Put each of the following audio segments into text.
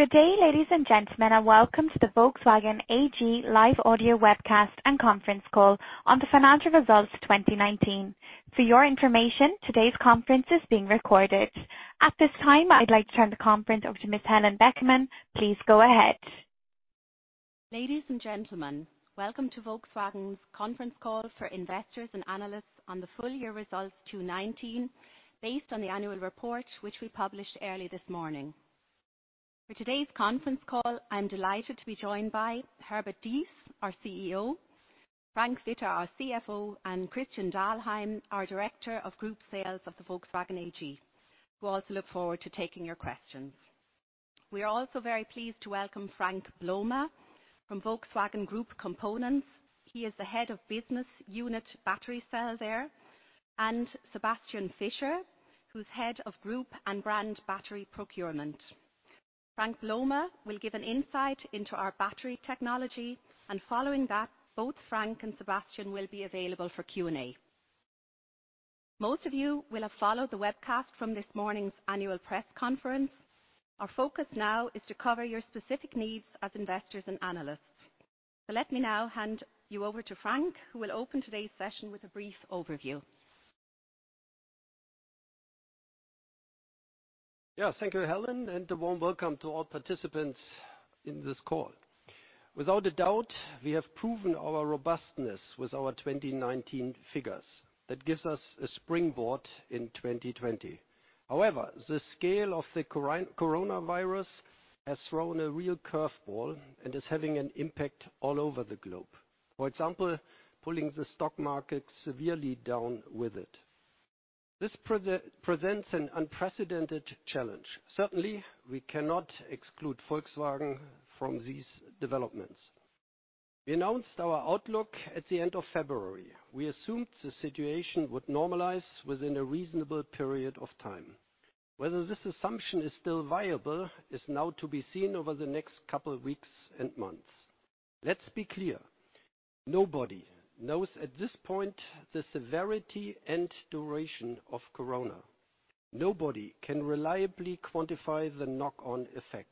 Good day, ladies and gentlemen, welcome to the Volkswagen AG live audio webcast and conference call on the financial results 2019. For your information, today's conference is being recorded. At this time, I'd like to turn the conference over to Ms. Helen Beckman. Please go ahead. Ladies and gentlemen, welcome to Volkswagen's conference call for investors and analysts on the full year results 2019 based on the annual report, which we published early this morning. For today's conference call, I'm delighted to be joined by Herbert Diess, our CEO, Frank Witter, our CFO, and Christian Dahlheim, our director of group sales of Volkswagen AG, who also look forward to taking your questions. We are also very pleased to welcome Frank Blome from Volkswagen Group Components. He is the head of business unit battery cell there, and Sebastian Fischer, who's head of group and brand battery procurement. Frank Blome will give an insight into our battery technology. Following that, both Frank and Sebastian will be available for Q&A. Most of you will have followed the webcast from this morning's annual press conference. Our focus now is to cover your specific needs as investors and analysts. Let me now hand you over to Frank, who will open today's session with a brief overview. Yeah. Thank you, Helen, and a warm welcome to all participants in this call. Without a doubt, we have proven our robustness with our 2019 figures. That gives us a springboard in 2020. The scale of the coronavirus has thrown a real curveball and is having an impact all over the globe, for example, pulling the stock market severely down with it. This presents an unprecedented challenge. Certainly, we cannot exclude Volkswagen from these developments. We announced our outlook at the end of February. We assumed the situation would normalize within a reasonable period of time. Whether this assumption is still viable is now to be seen over the next couple weeks and months. Let's be clear. Nobody knows at this point the severity and duration of corona. Nobody can reliably quantify the knock-on effects.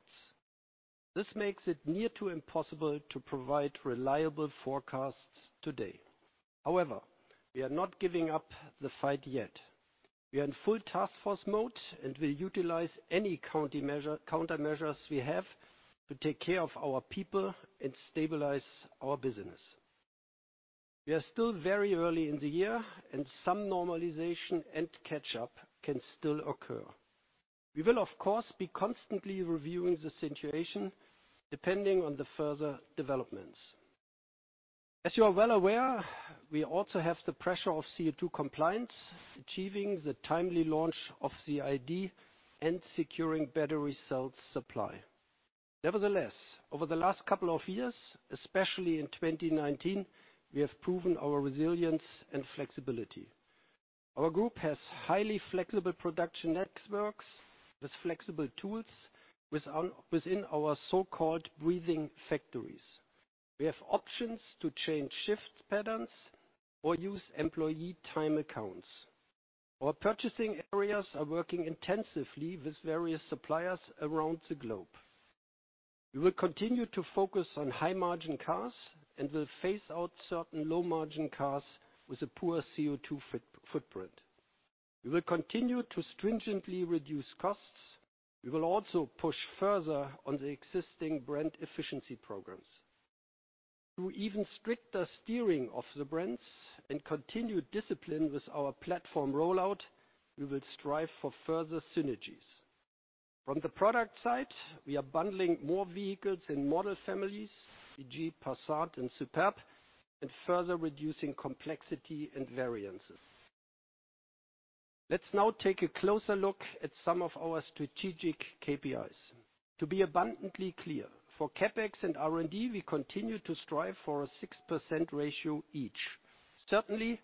This makes it near to impossible to provide reliable forecasts today. However, we are not giving up the fight yet. We are in full task force mode and will utilize any countermeasures we have to take care of our people and stabilize our business. We are still very early in the year, and some normalization and catch-up can still occur. We will, of course, be constantly reviewing the situation, depending on the further developments. As you are well aware, we also have the pressure of CO2 compliance, achieving the timely launch of the ID., and securing battery cell supply. Nevertheless, over the last couple of years, especially in 2019, we have proven our resilience and flexibility. Our group has highly flexible production networks with flexible tools within our so-called breathing factories. We have options to change shift patterns or use employee time accounts. Our purchasing areas are working intensively with various suppliers around the globe. We will continue to focus on high-margin cars and will phase out certain low-margin cars with a poor CO2 footprint. We will continue to stringently reduce costs. We will also push further on the existing brand efficiency programs. Through even stricter steering of the brands and continued discipline with our platform rollout, we will strive for further synergies. From the product side, we are bundling more vehicles and model families, e.g., Passat and Superb, and further reducing complexity and variances. Let's now take a closer look at some of our strategic KPIs. To be abundantly clear, for CapEx and R&D, we continue to strive for a 6% ratio each. Certainly,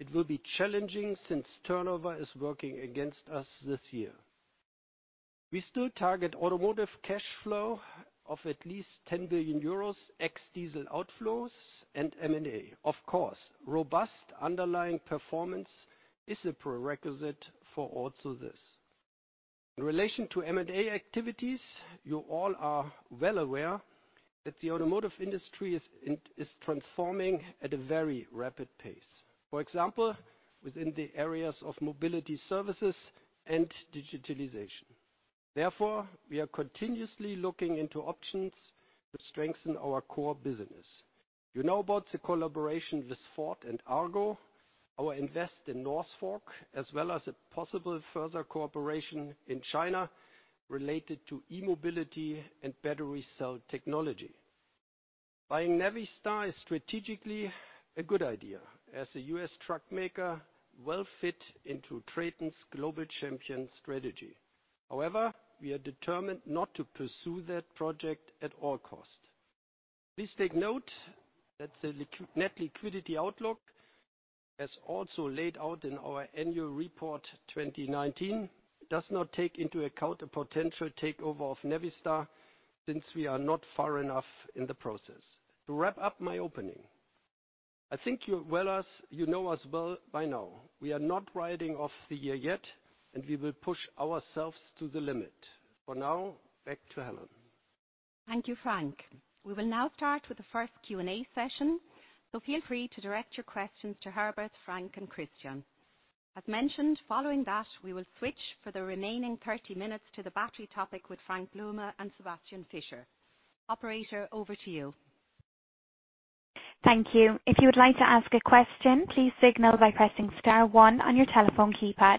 it will be challenging since turnover is working against us this year. We still target automotive cash flow of at least 10 billion euros ex-diesel outflows and M&A. Of course, robust underlying performance is a prerequisite for also this. In relation to M&A activities, you all are well aware that the automotive industry is transforming at a very rapid pace, for example, within the areas of mobility services and digitalization. Therefore, we are continuously looking into options to strengthen our core business. You know about the collaboration with Ford and Argo, our invest in Northvolt, as well as a possible further cooperation in China related to e-mobility and battery cell technology. Buying Navistar is strategically a good idea, as a U.S. truck maker well fit into TRATON's global champion strategy. However, we are determined not to pursue that project at all cost. Please take note that the net liquidity outlook, as also laid out in our annual report 2019, does not take into account a potential takeover of Navistar since we are not far enough in the process. To wrap up my opening. I think you know us well by now. We are not writing off the year yet, and we will push ourselves to the limit. For now, back to Helen. Thank you, Frank. We will now start with the first Q&A session. Feel free to direct your questions to Herbert, Frank, and Christian. As mentioned, following that, we will switch for the remaining 30 minutes to the battery topic with Frank Blome and Sebastian Fischer. Operator, over to you. Thank you. If you would like to ask a question, please signal by pressing star one on your telephone keypad.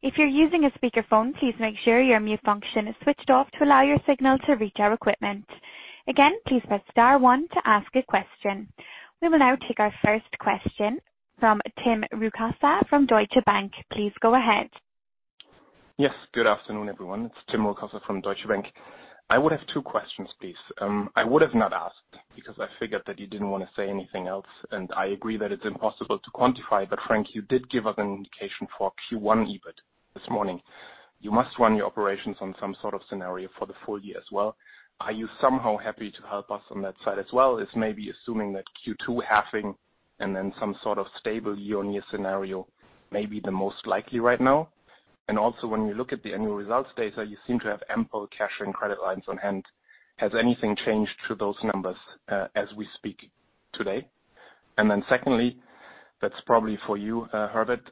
If you're using a speakerphone, please make sure your mute function is switched off to allow your signal to reach our equipment. Again, please press star one to ask a question. We will now take our first question from Tim Rokossa from Deutsche Bank. Please go ahead. Yes. Good afternoon, everyone. It's Tim Rokossa from Deutsche Bank. I would have two questions, please. I would have not asked because I figured that you didn't want to say anything else, and I agree that it's impossible to quantify, but Frank, you did give us an indication for Q1 EBIT this morning. You must run your operations on some sort of scenario for the full year as well. Are you somehow happy to help us on that side as well, is maybe assuming that Q2 halving and then some sort of stable year-on-year scenario may be the most likely right now? Also when you look at the annual results data, you seem to have ample cash and credit lines on hand. Has anything changed to those numbers as we speak today? Secondly, that's probably for you, Herbert.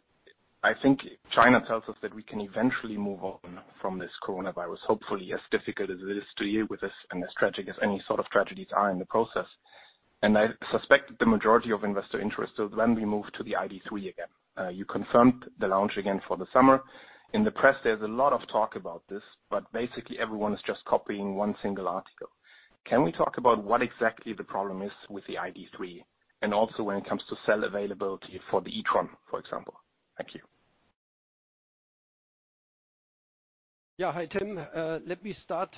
I think China tells us that we can eventually move on from this coronavirus, hopefully, as difficult as it is to hear with this and as tragic as any sort of tragedies are in the process. I suspect the majority of investor interest is when we move to the ID.3 again. You confirmed the launch again for the summer. In the press, there's a lot of talk about this, but basically everyone is just copying one single article. Can we talk about what exactly the problem is with the ID.3 and also when it comes to cell availability for the e-tron, for example? Thank you. Yeah, hi, Tim. Let me start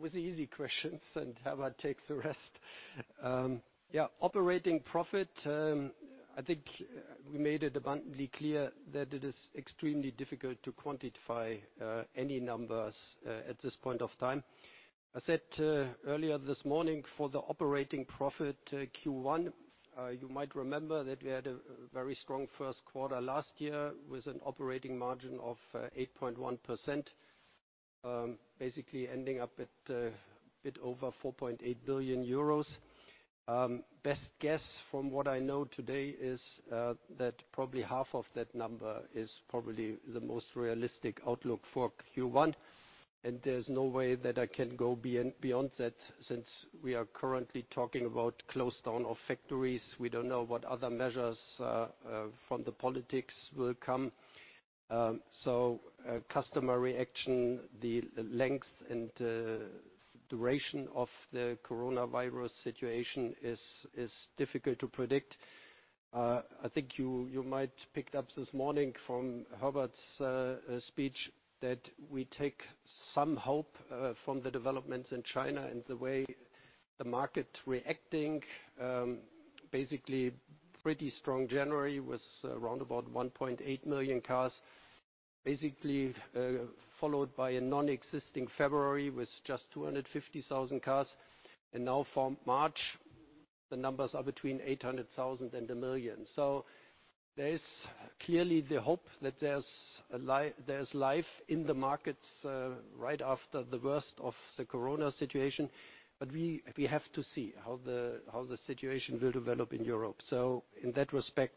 with the easy questions and have take the rest. Yeah. Operating profit. I think we made it abundantly clear that it is extremely difficult to quantify any numbers at this point of time. I said earlier this morning for the operating profit Q1, you might remember that we had a very strong first quarter last year with an operating margin of 8.1%, basically ending up at a bit over 4.8 billion euros. Best guess from what I know to date is that probably half of that number is probably the most realistic outlook for Q1. There's no way that I can go beyond that since we are currently talking about close down of factories. We don't know what other measures from the politics will come. Customer reaction, the length and the duration of the coronavirus situation is difficult to predict. I think you might picked up this morning from Herbert's speech that we take some hope from the developments in China and the way the market reacting. Pretty strong January with around about 1.8 million cars, basically followed by a non-existing February with just 250,000 cars. Now for March, the numbers are between 800,000 and 1 million. There is clearly the hope that there's life in the markets right after the worst of the corona situation, but we have to see how the situation will develop in Europe. In that respect,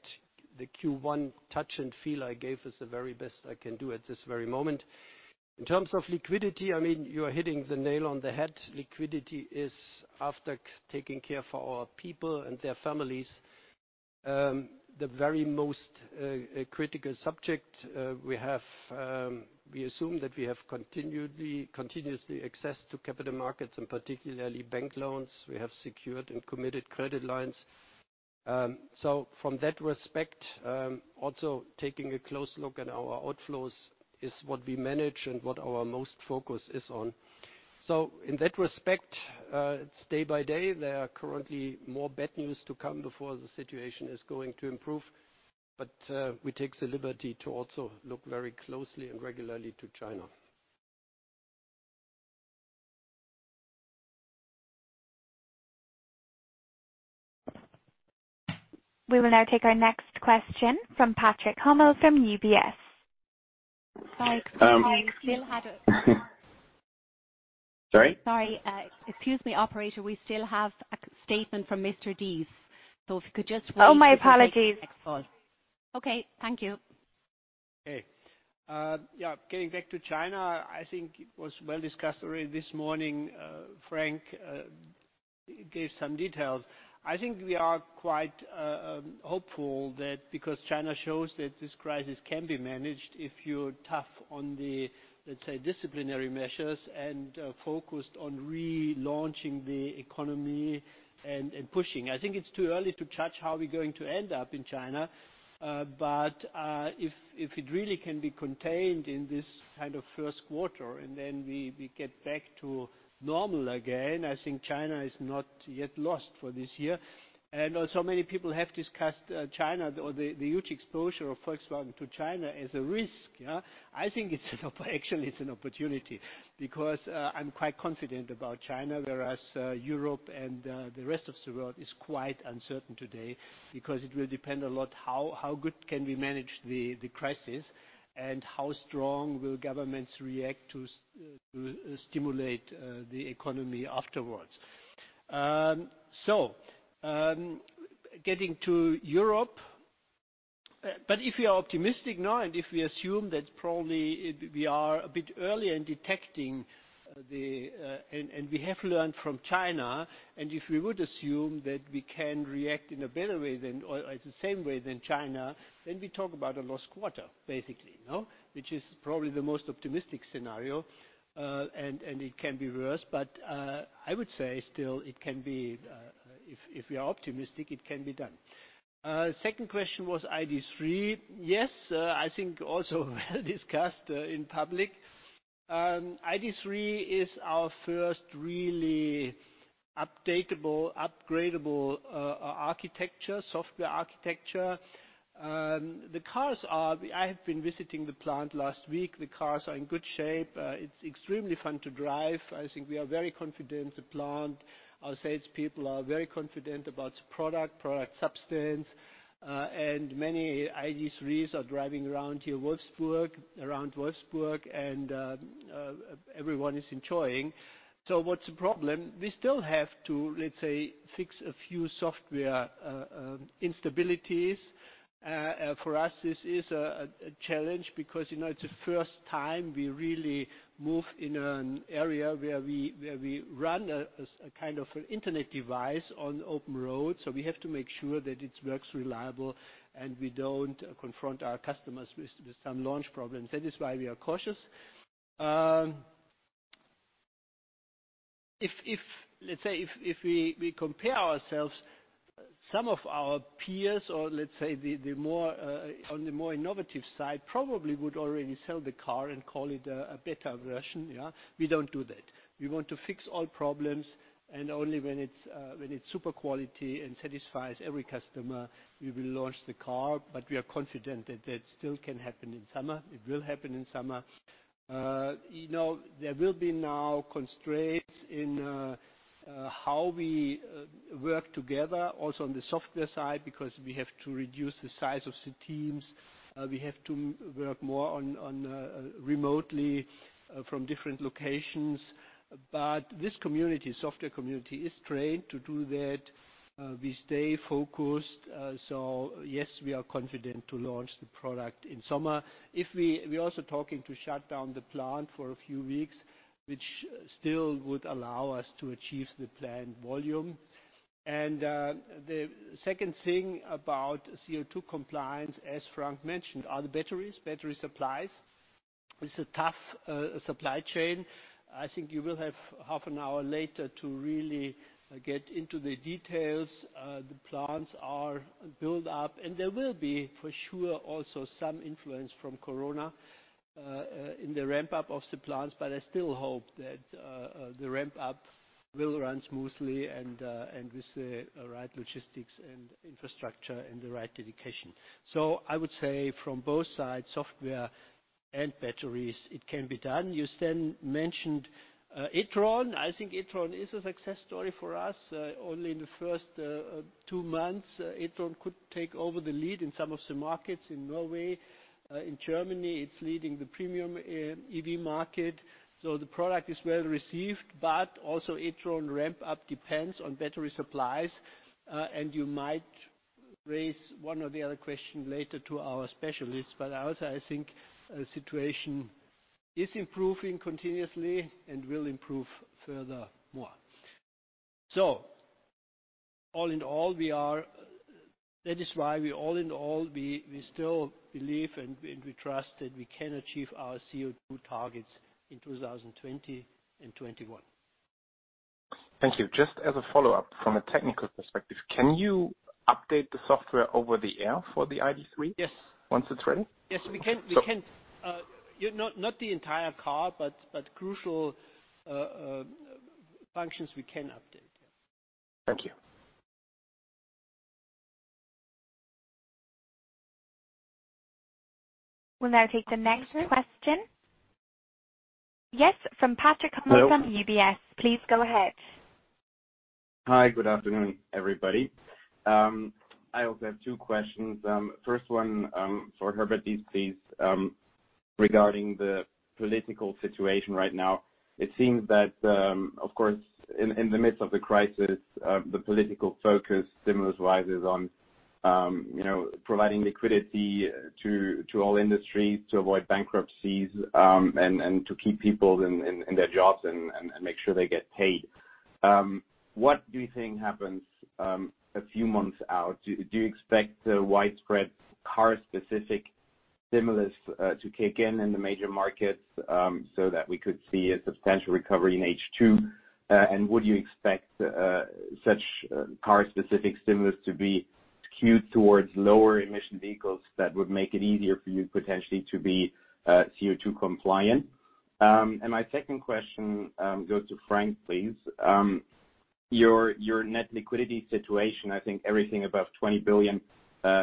the Q1 touch and feel I gave is the very best I can do at this very moment. In terms of liquidity, you are hitting the nail on the head. Liquidity is after taking care for our people and their families, the very most critical subject we have. We assume that we have continuously access to capital markets and particularly bank loans. We have secured and committed credit lines. From that respect, also taking a close look at our outflows is what we manage and what our most focus is on. In that respect, it's day-by-day. There are currently more bad news to come before the situation is going to improve, but we take the liberty to also look very closely and regularly to China. We will now take our next question from Patrick Hummel from UBS. Sorry. Sorry? Sorry. Excuse me, operator. We still have a statement from Mr. Diess, so if you could just wait. Oh, my apologies. Till the next call. Okay. Thank you. Hey. Yeah. Getting back to China, I think it was well discussed already this morning. Frank gave some details. I think we are quite hopeful that because China shows that this crisis can be managed if you're tough on the, let's say, disciplinary measures and focused on relaunching the economy and pushing. I think it's too early to judge how we're going to end up in China. If it really can be contained in this first quarter and then we get back to normal again, I think China is not yet lost for this year. Many people have discussed China or the huge exposure of Volkswagen to China as a risk. I think it's actually an opportunity because I'm quite confident about China, whereas Europe and the rest of the world is quite uncertain today because it will depend a lot how good can we manage the crisis and how strong will governments react to stimulate the economy afterwards. Getting to Europe. If we are optimistic now, and if we assume that probably we are a bit early in detecting and we have learned from China, and if we would assume that we can react in a better way than, or the same way than China, then we talk about a lost quarter, basically. Which is probably the most optimistic scenario, and it can be worse, but I would say still, if we are optimistic, it can be done. Second question was ID.3. Yes, I think also well-discussed in public. ID.3 is our first really updatable, upgradable architecture, software architecture. I have been visiting the plant last week. The cars are in good shape. It's extremely fun to drive. I think we are very confident, the plant. Our salespeople are very confident about the product substance. Many ID.3s are driving around here, Wolfsburg, around Wolfsburg, and everyone is enjoying. What's the problem? We still have to, let's say, fix a few software instabilities. For us, this is a challenge because it's the first time we really move in an area where we run a kind of an internet device on open road. We have to make sure that it works reliable, and we don't confront our customers with some launch problems. That is why we are cautious. Let's say if we compare ourselves, some of our peers or let's say on the more innovative side, probably would already sell the car and call it a beta version. We don't do that. We want to fix all problems, and only when it's super quality and satisfies every customer, we will launch the car. We are confident that that still can happen in summer. It will happen in summer. There will be now constraints in how we work together also on the software side, because we have to reduce the size of the teams. We have to work more on remotely from different locations. This community, software community, is trained to do that. We stay focused. Yes, we are confident to launch the product in summer. We're also talking to shut down the plant for a few weeks, which still would allow us to achieve the planned volume. The second thing about CO2 compliance, as Frank mentioned, are the batteries, battery supplies. It's a tough supply chain. I think you will have half an hour later to really get into the details. The plants are built up, and there will be, for sure, also some influence from corona in the ramp-up of the plants. I still hope that the ramp-up will run smoothly and with the right logistics and infrastructure and the right dedication. I would say from both sides, software and batteries, it can be done. You then mentioned e-tron. I think e-tron is a success story for us. Only in the first two months, e-tron could take over the lead in some of the markets in Norway. In Germany, it's leading the premium EV market. The product is well received, but also e-tron ramp-up depends on battery supplies. You might raise one or the other question later to our specialists, but also I think the situation is improving continuously and will improve further more. That is why we all in all, we still believe, and we trust that we can achieve our CO2 targets in 2020 and 2021. Thank you. Just as a follow-up, from a technical perspective, can you update the software over the air for the ID.3? Yes Once it's ready? Yes, we can. Not the entire car, but crucial functions we can update. Yes. Thank you. We'll now take the next question. Yes, from Patrick Hummel from UBS. Please go ahead. Hi. Good afternoon, everybody. I also have two questions. First one for Herbert Diess, please, regarding the political situation right now. It seems that, of course, in the midst of the crisis, the political focus stimulus-wise is on providing liquidity to all industries to avoid bankruptcies, and to keep people in their jobs and make sure they get paid. What do you think happens a few months out? Do you expect a widespread car-specific stimulus to kick in in the major markets so that we could see a substantial recovery in H2? Would you expect such car-specific stimulus to be skewed towards lower emission vehicles that would make it easier for you potentially to be CO2 compliant? My second question goes to Frank, please. Your net liquidity situation, I think everything above 20 billion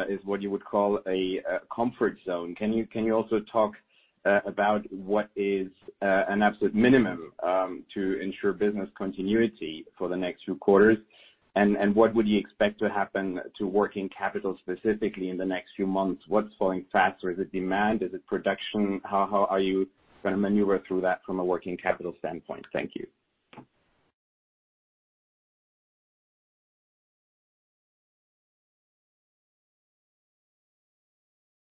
is what you would call a comfort zone. Can you also talk about what is an absolute minimum to ensure business continuity for the next few quarters? What would you expect to happen to working capital, specifically in the next few months? What's falling faster? Is it demand? Is it production? How are you going to maneuver through that from a working capital standpoint? Thank you.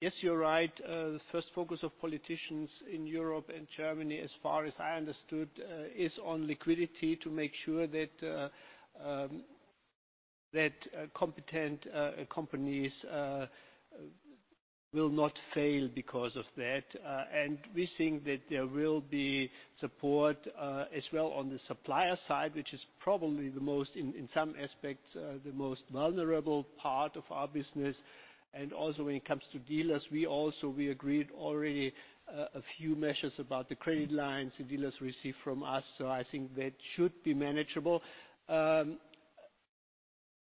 Yes, you're right. The first focus of politicians in Europe and Germany, as far as I understood, is on liquidity to make sure that competent companies will not fail because of that. We think that there will be support as well on the supplier side, which is probably, in some aspects, the most vulnerable part of our business. Also when it comes to dealers, we agreed already a few measures about the credit lines the dealers receive from us. I think that should be manageable.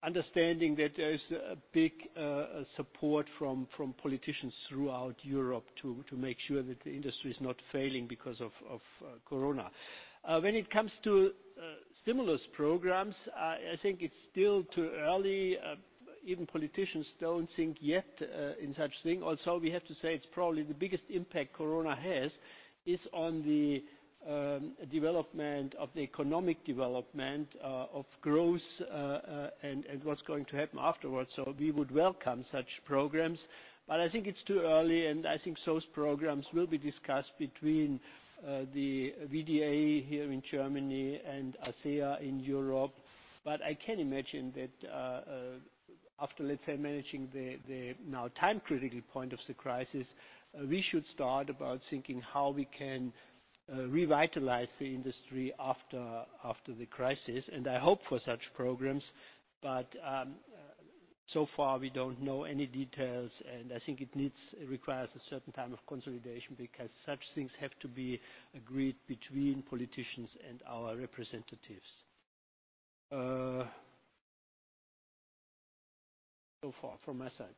Understanding that there is a big support from politicians throughout Europe to make sure that the industry is not failing because of Corona. When it comes to stimulus programs, I think it's still too early. Even politicians don't think yet in such thing. We have to say, it's probably the biggest impact Corona has, is on the development of the economic development of growth, and what's going to happen afterwards. We would welcome such programs. I think it's too early, and I think those programs will be discussed between the VDA here in Germany and ACEA in Europe. I can imagine that after, let's say, managing the now time-critical point of the crisis, we should start about thinking how we can revitalize the industry after the crisis. I hope for such programs, but so far we don't know any details, and I think it requires a certain time of consolidation because such things have to be agreed between politicians and our representatives. So far from my side.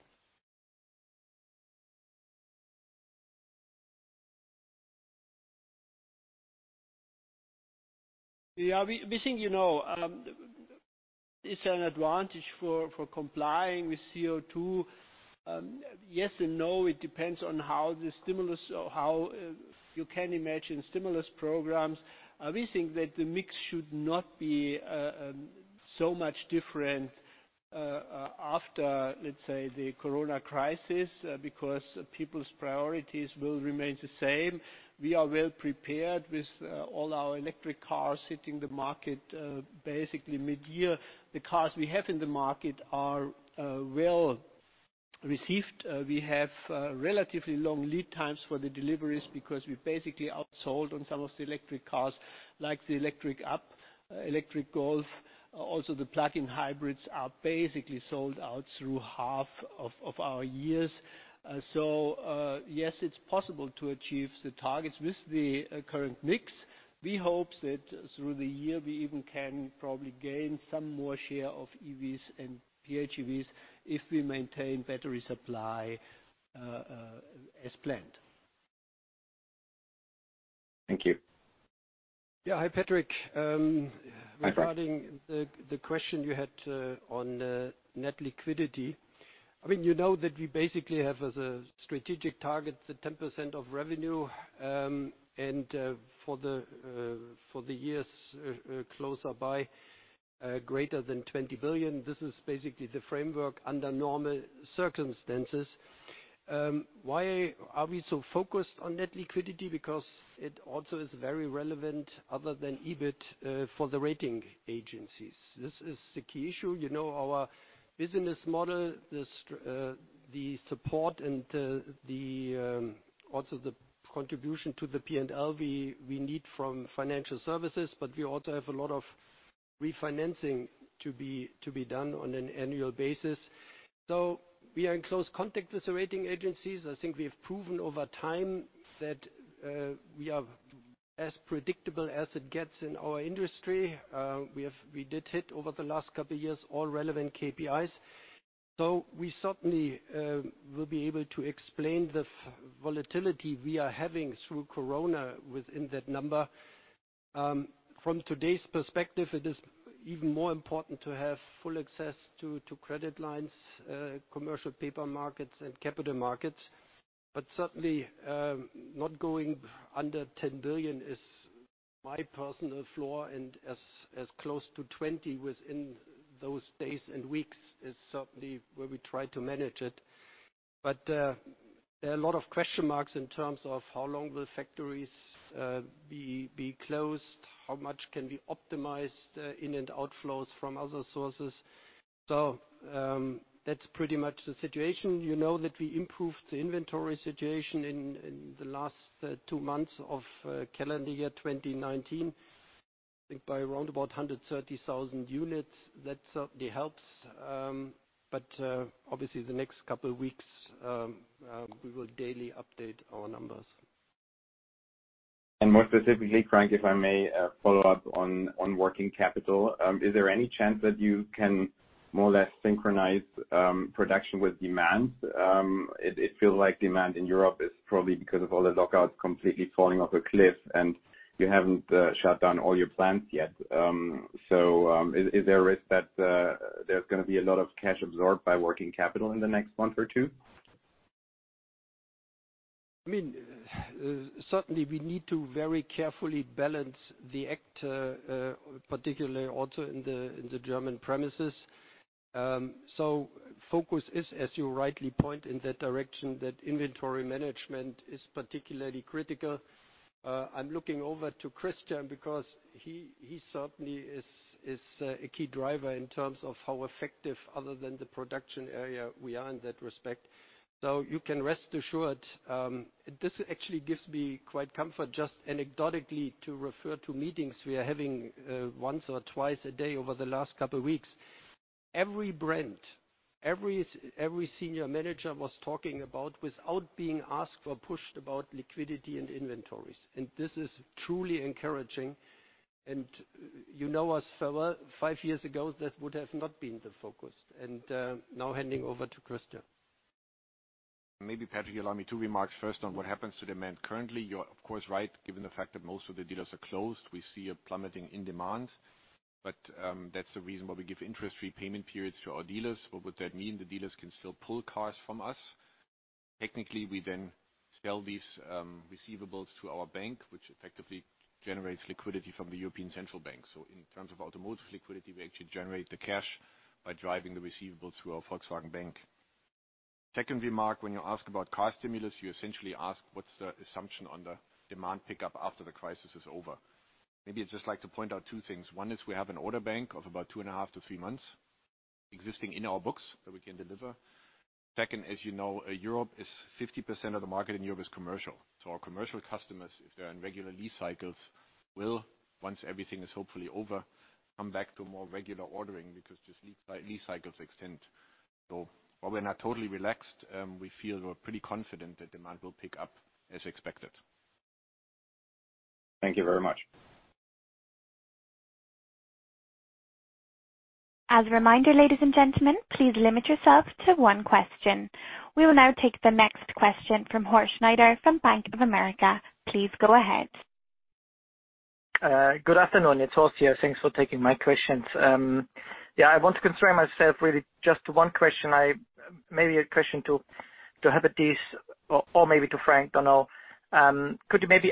We think it's an advantage for complying with CO2. Yes and no. It depends on how the stimulus or how you can imagine stimulus programs. We think that the mix should not be so much different after, let's say, the corona crisis, because people's priorities will remain the same. We are well-prepared with all our electric cars hitting the market basically mid-year. The cars we have in the market are well-received. We have relatively long lead times for the deliveries because we basically outsold on some of the electric cars, like the e-up!, e-Golf. The plug-in hybrids are basically sold out through half of our years. Yes, it's possible to achieve the targets with the current mix. We hope that through the year, we even can probably gain some more share of EVs and PHEVs if we maintain battery supply as planned. Thank you. Yeah. Hi, Patrick. Hi, Frank. Regarding the question you had on net liquidity. You know that we basically have as a strategic target the 10% of revenue, and for the years closer by, greater than 20 billion. This is basically the framework under normal circumstances. Why are we so focused on net liquidity? It also is very relevant, other than EBIT, for the rating agencies. This is the key issue. Our business model, the support and also the contribution to the P&L we need from financial services, but we also have a lot of refinancing to be done on an annual basis. We are in close contact with the rating agencies. I think we have proven over time that we are as predictable as it gets in our industry. We did hit, over the last couple years, all relevant KPIs. We certainly will be able to explain the volatility we are having through Corona within that number. From today's perspective, it is even more important to have full access to credit lines, commercial paper markets, and capital markets. Certainly, not going under 10 billion is my personal floor, and as close to 20 billion within those days and weeks is certainly where we try to manage it. There are a lot of question marks in terms of how long will factories be closed, how much can we optimize the in and outflows from other sources. That's pretty much the situation. You know that we improved the inventory situation in the last two months of calendar year 2019, I think by around about 130,000 units. That certainly helps. Obviously the next couple of weeks, we will daily update our numbers. More specifically, Frank, if I may follow up on working capital. Is there any chance that you can more or less synchronize production with demand? It feels like demand in Europe is probably because of all the lockouts completely falling off a cliff and you haven't shut down all your plants yet. Is there a risk that there's going to be a lot of cash absorbed by working capital in the next month or two? Certainly we need to very carefully balance the act, particularly also in the German premises. Focus is, as you rightly point in that direction, that inventory management is particularly critical. I'm looking over to Christian because he certainly is a key driver in terms of how effective other than the production area we are in that respect. You can rest assured, this actually gives me quite comfort, just anecdotally to refer to meetings we are having once or twice a day over the last couple weeks. Every brand, every senior manager was talking about, without being asked or pushed about liquidity and inventories. This is truly encouraging. You know us so well, five years ago, that would have not been the focus. Now handing over to Christian. Maybe Patrick allow me two remarks first on what happens to demand currently. You are of course right, given the fact that most of the dealers are closed. We see a plummeting in demand, but that's the reason why we give interest-free payment periods to our dealers. What would that mean? Technically, we then sell these receivables to our bank, which effectively generates liquidity from the European Central Bank. In terms of automotive liquidity, we actually generate the cash by driving the receivables to our Volkswagen Bank. Second remark, when you ask about car stimulus, you essentially ask what's the assumption on the demand pickup after the crisis is over. Maybe I'd just like to point out two things. One is we have an order bank of about two and a half to three months existing in our books that we can deliver. Second, as you know, Europe is 50% of the market in Europe is commercial. Our commercial customers, if they're on regular lease cycles, will, once everything is hopefully over, come back to more regular ordering because just lease cycles extend. While we're not totally relaxed, we feel we're pretty confident that demand will pick up as expected. Thank you very much. As a reminder, ladies and gentlemen, please limit yourself to one question. We will now take the next question from Horst Schneider from Bank of America. Please go ahead. Good afternoon. It's Horst here. Thanks for taking my questions. I want to concern myself really just one question. Maybe a question to Herbert Diess or maybe to Frank. Could you maybe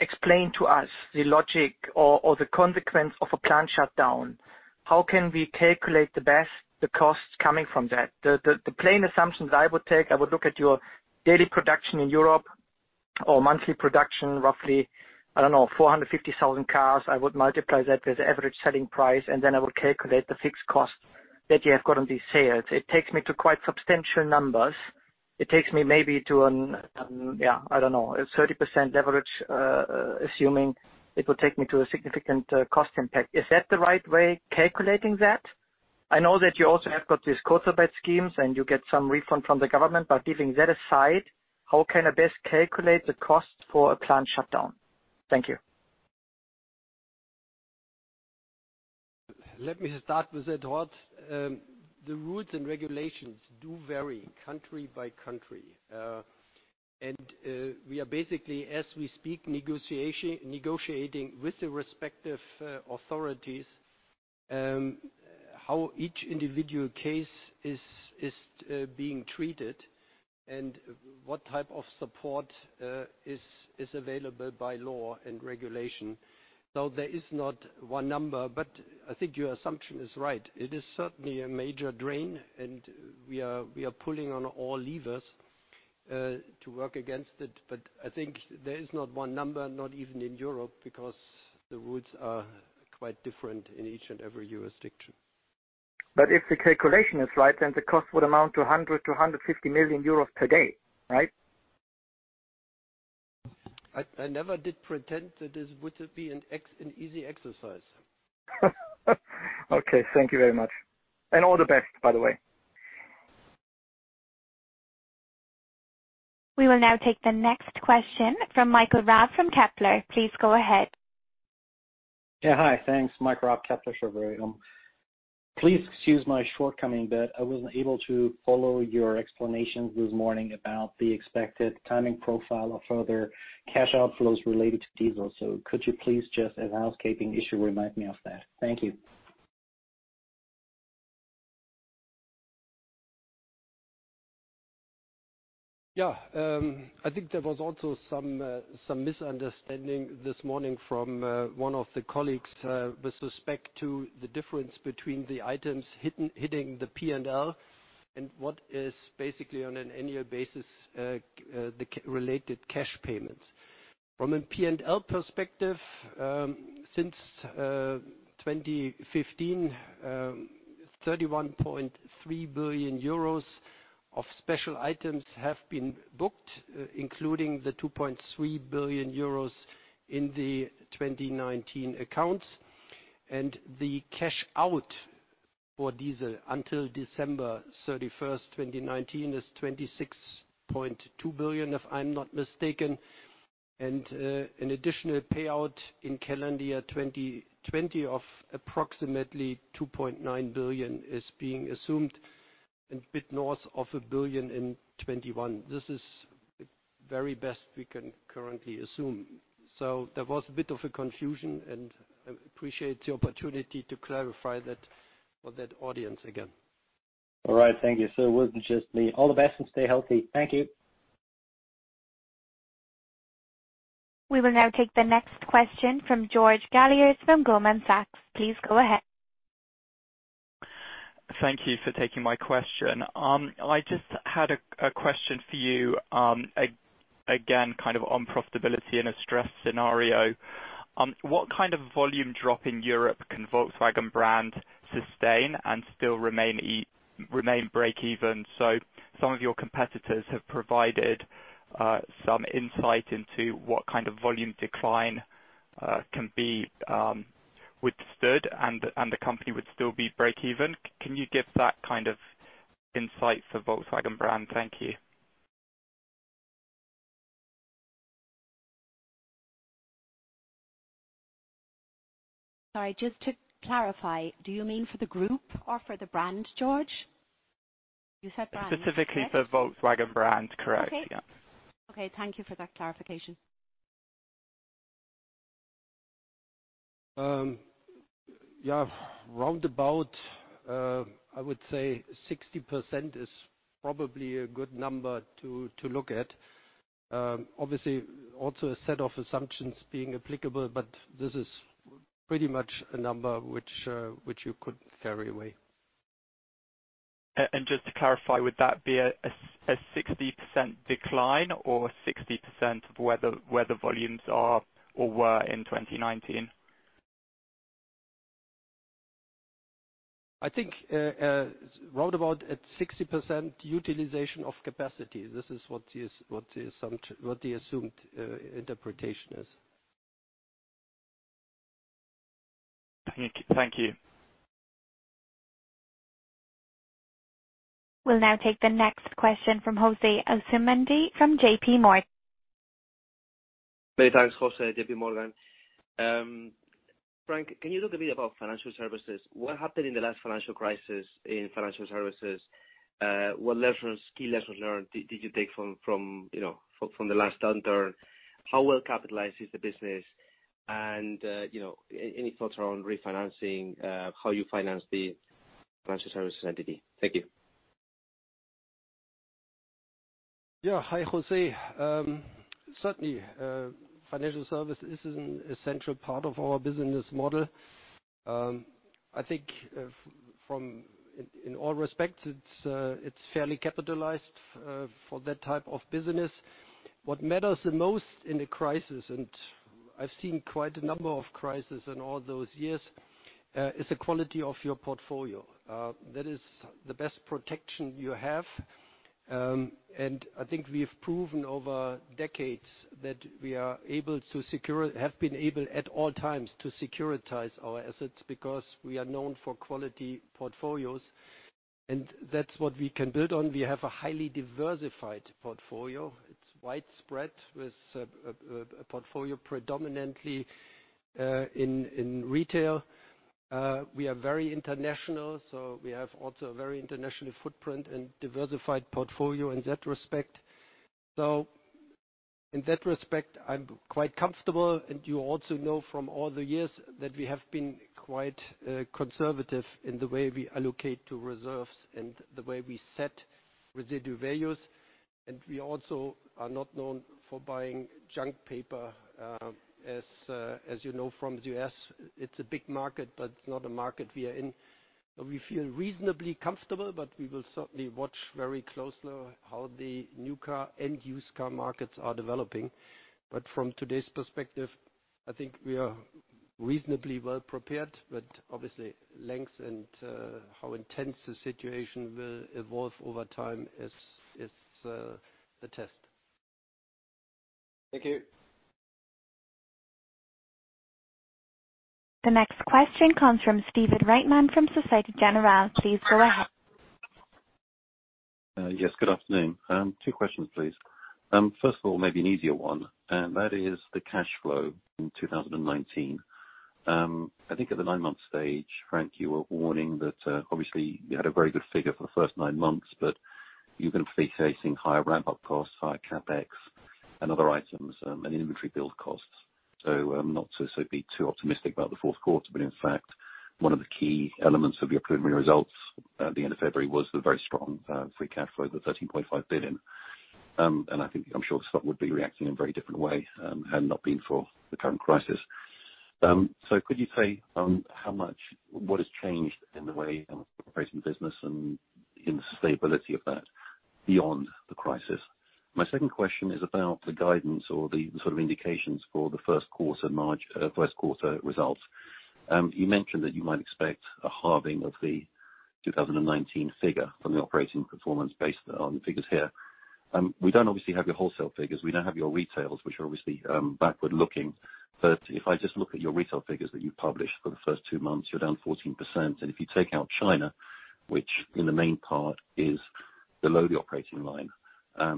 explain to us the logic or the consequence of a plant shutdown? How can we calculate the best, the costs coming from that? The plain assumptions I would take, I would look at your daily production in Europe or monthly production, roughly, 450,000 cars. I would multiply that with average selling price. I would calculate the fixed cost that you have got on these sales. It takes me to quite substantial numbers. It takes me maybe to a 30% leverage, assuming it will take me to a significant cost impact. Is that the right way calculating that? I know that you also have got these Kurzarbeit schemes and you get some refund from the government, but leaving that aside, how can I best calculate the cost for a plant shutdown? Thank you. Let me start with that, Horst. The rules and regulations do vary country-by-country. We are basically, as we speak, negotiating with the respective authorities how each individual case is being treated and what type of support is available by law and regulation. There is not one number, but I think your assumption is right. It is certainly a major drain, and we are pulling on all levers to work against it. I think there is not one number, not even in Europe, because the rules are quite different in each and every jurisdiction. If the calculation is right, the cost would amount to 100 million-150 million euros per day, right? I never did pretend that this would be an easy exercise. Okay. Thank you very much. All the best, by the way. We will now take the next question from Michael Raab from Kepler. Please go ahead. Yeah. Hi. Thanks. Michael Raab, Kepler Cheuvreux. Please excuse my shortcoming, I wasn't able to follow your explanations this morning about the expected timing profile of further cash outflows related to diesel. Could you please just as a housekeeping issue remind me of that? Thank you. Yeah. I think there was also some misunderstanding this morning from one of the colleagues with respect to the difference between the items hitting the P&L and what is basically on an annual basis, the related cash payments. From a P&L perspective, since 2015, 31.3 billion euros of special items have been booked, including the 2.3 billion euros in the 2019 accounts. The cash out for diesel until December 31st, 2019 is 26.2 billion, if I'm not mistaken. An additional payout in calendar year 2020 of approximately 2.9 billion is being assumed and a bit north of 1 billion in 2021. This is the very best we can currently assume. There was a bit of a confusion, and I appreciate the opportunity to clarify that for that audience again. All right. Thank you. It wasn't just me. All the best, and stay healthy. Thank you. We will now take the next question from George Galliers from Goldman Sachs. Please go ahead. Thank you for taking my question. I just had a question for you, again, on profitability in a stress scenario. What kind of volume drop in Europe can Volkswagen Brand sustain and still remain break even? Some of your competitors have provided some insight into what kind of volume decline can be withstood and the company would still be break even. Can you give that kind of insight for Volkswagen Brand? Thank you. Sorry, just to clarify, do you mean for the group or for the brand, George? You said brand. Specifically for Volkswagen Brand. Correct. Okay. Yeah. Okay. Thank you for that clarification. Round about, I would say 60% is probably a good number to look at. Obviously, also a set of assumptions being applicable. This is pretty much a number which you could ferry away. Just to clarify, would that be a 60% decline or 60% of where the volumes are or were in 2019? I think roundabout at 60% utilization of capacity. This is what the assumed interpretation is. Thank you. We'll now take the next question from José Asumendi from JPMorgan. Many thanks. José, JPMorgan. Frank, can you talk a bit about financial services? What happened in the last financial crisis in financial services? What key lessons learned did you take from the last downturn? How well-capitalized is the business? Any thoughts around refinancing, how you finance the financial services entity? Thank you. Hi, José. Certainly, financial service is an essential part of our business model. I think in all respects, it's fairly capitalized for that type of business. What matters the most in a crisis, and I've seen quite a number of crises in all those years, is the quality of your portfolio. That is the best protection you have. I think we have proven over decades that we have been able at all times to securitize our assets because we are known for quality portfolios, and that's what we can build on. We have a highly diversified portfolio. It's widespread with a portfolio predominantly in retail. We are very international, so we have also a very international footprint and diversified portfolio in that respect. In that respect, I'm quite comfortable. You also know from all the years that we have been quite conservative in the way we allocate to reserves and the way we set residual values. We also are not known for buying junk paper. You know from the U.S., it's a big market, but it's not a market we are in. We feel reasonably comfortable, but we will certainly watch very closely how the new car and used car markets are developing. From today's perspective, I think we are reasonably well prepared, but obviously length and how intense the situation will evolve over time is the test. Thank you. The next question comes from Stephen Reitman from Societe Generale. Please go ahead. Yes. Good afternoon. Two questions, please. First of all, maybe an easier one, that is the cash flow in 2019. I think at the nine-month stage, Frank, you were warning that obviously you had a very good figure for the first nine months, but you're going to be facing higher ramp-up costs, higher CapEx and other items and inventory build costs. Not to be too optimistic about the fourth quarter, but in fact, one of the key elements of your preliminary results at the end of February was the very strong free cash flow, the 13.5 billion. I'm sure the stock would be reacting in a very different way had it not been for the current crisis. Could you say what has changed in the way of operating the business and in the sustainability of that beyond the crisis? My second question is about the guidance or the sort of indications for the first quarter results. You mentioned that you might expect a halving of the 2019 figure from the operating performance based on the figures here. We don't obviously have your wholesale figures. We now have your retails, which are obviously backward-looking. If I just look at your retail figures that you published for the first two months, you're down 14%. If you take out China, which in the main part is below the operating line,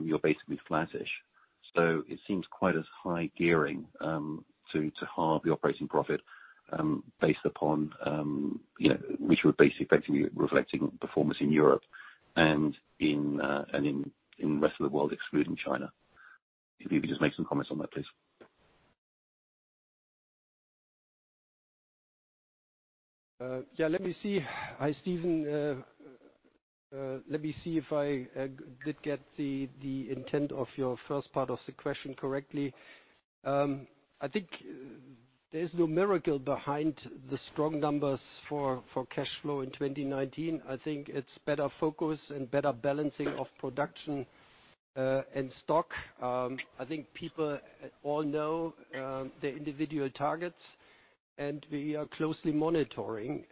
you're basically flattish. It seems quite as high gearing to halve the operating profit based upon which we're basically effectively reflecting performance in Europe and in rest of the world, excluding China. If you could just make some comments on that, please. Yeah, let me see. Hi, Stephen. Let me see if I did get the intent of your first part of the question correctly. I think there's no miracle behind the strong numbers for cash flow in 2019. I think it's better focus and better balancing of production and stock. I think people all know their individual targets, and we are closely monitoring.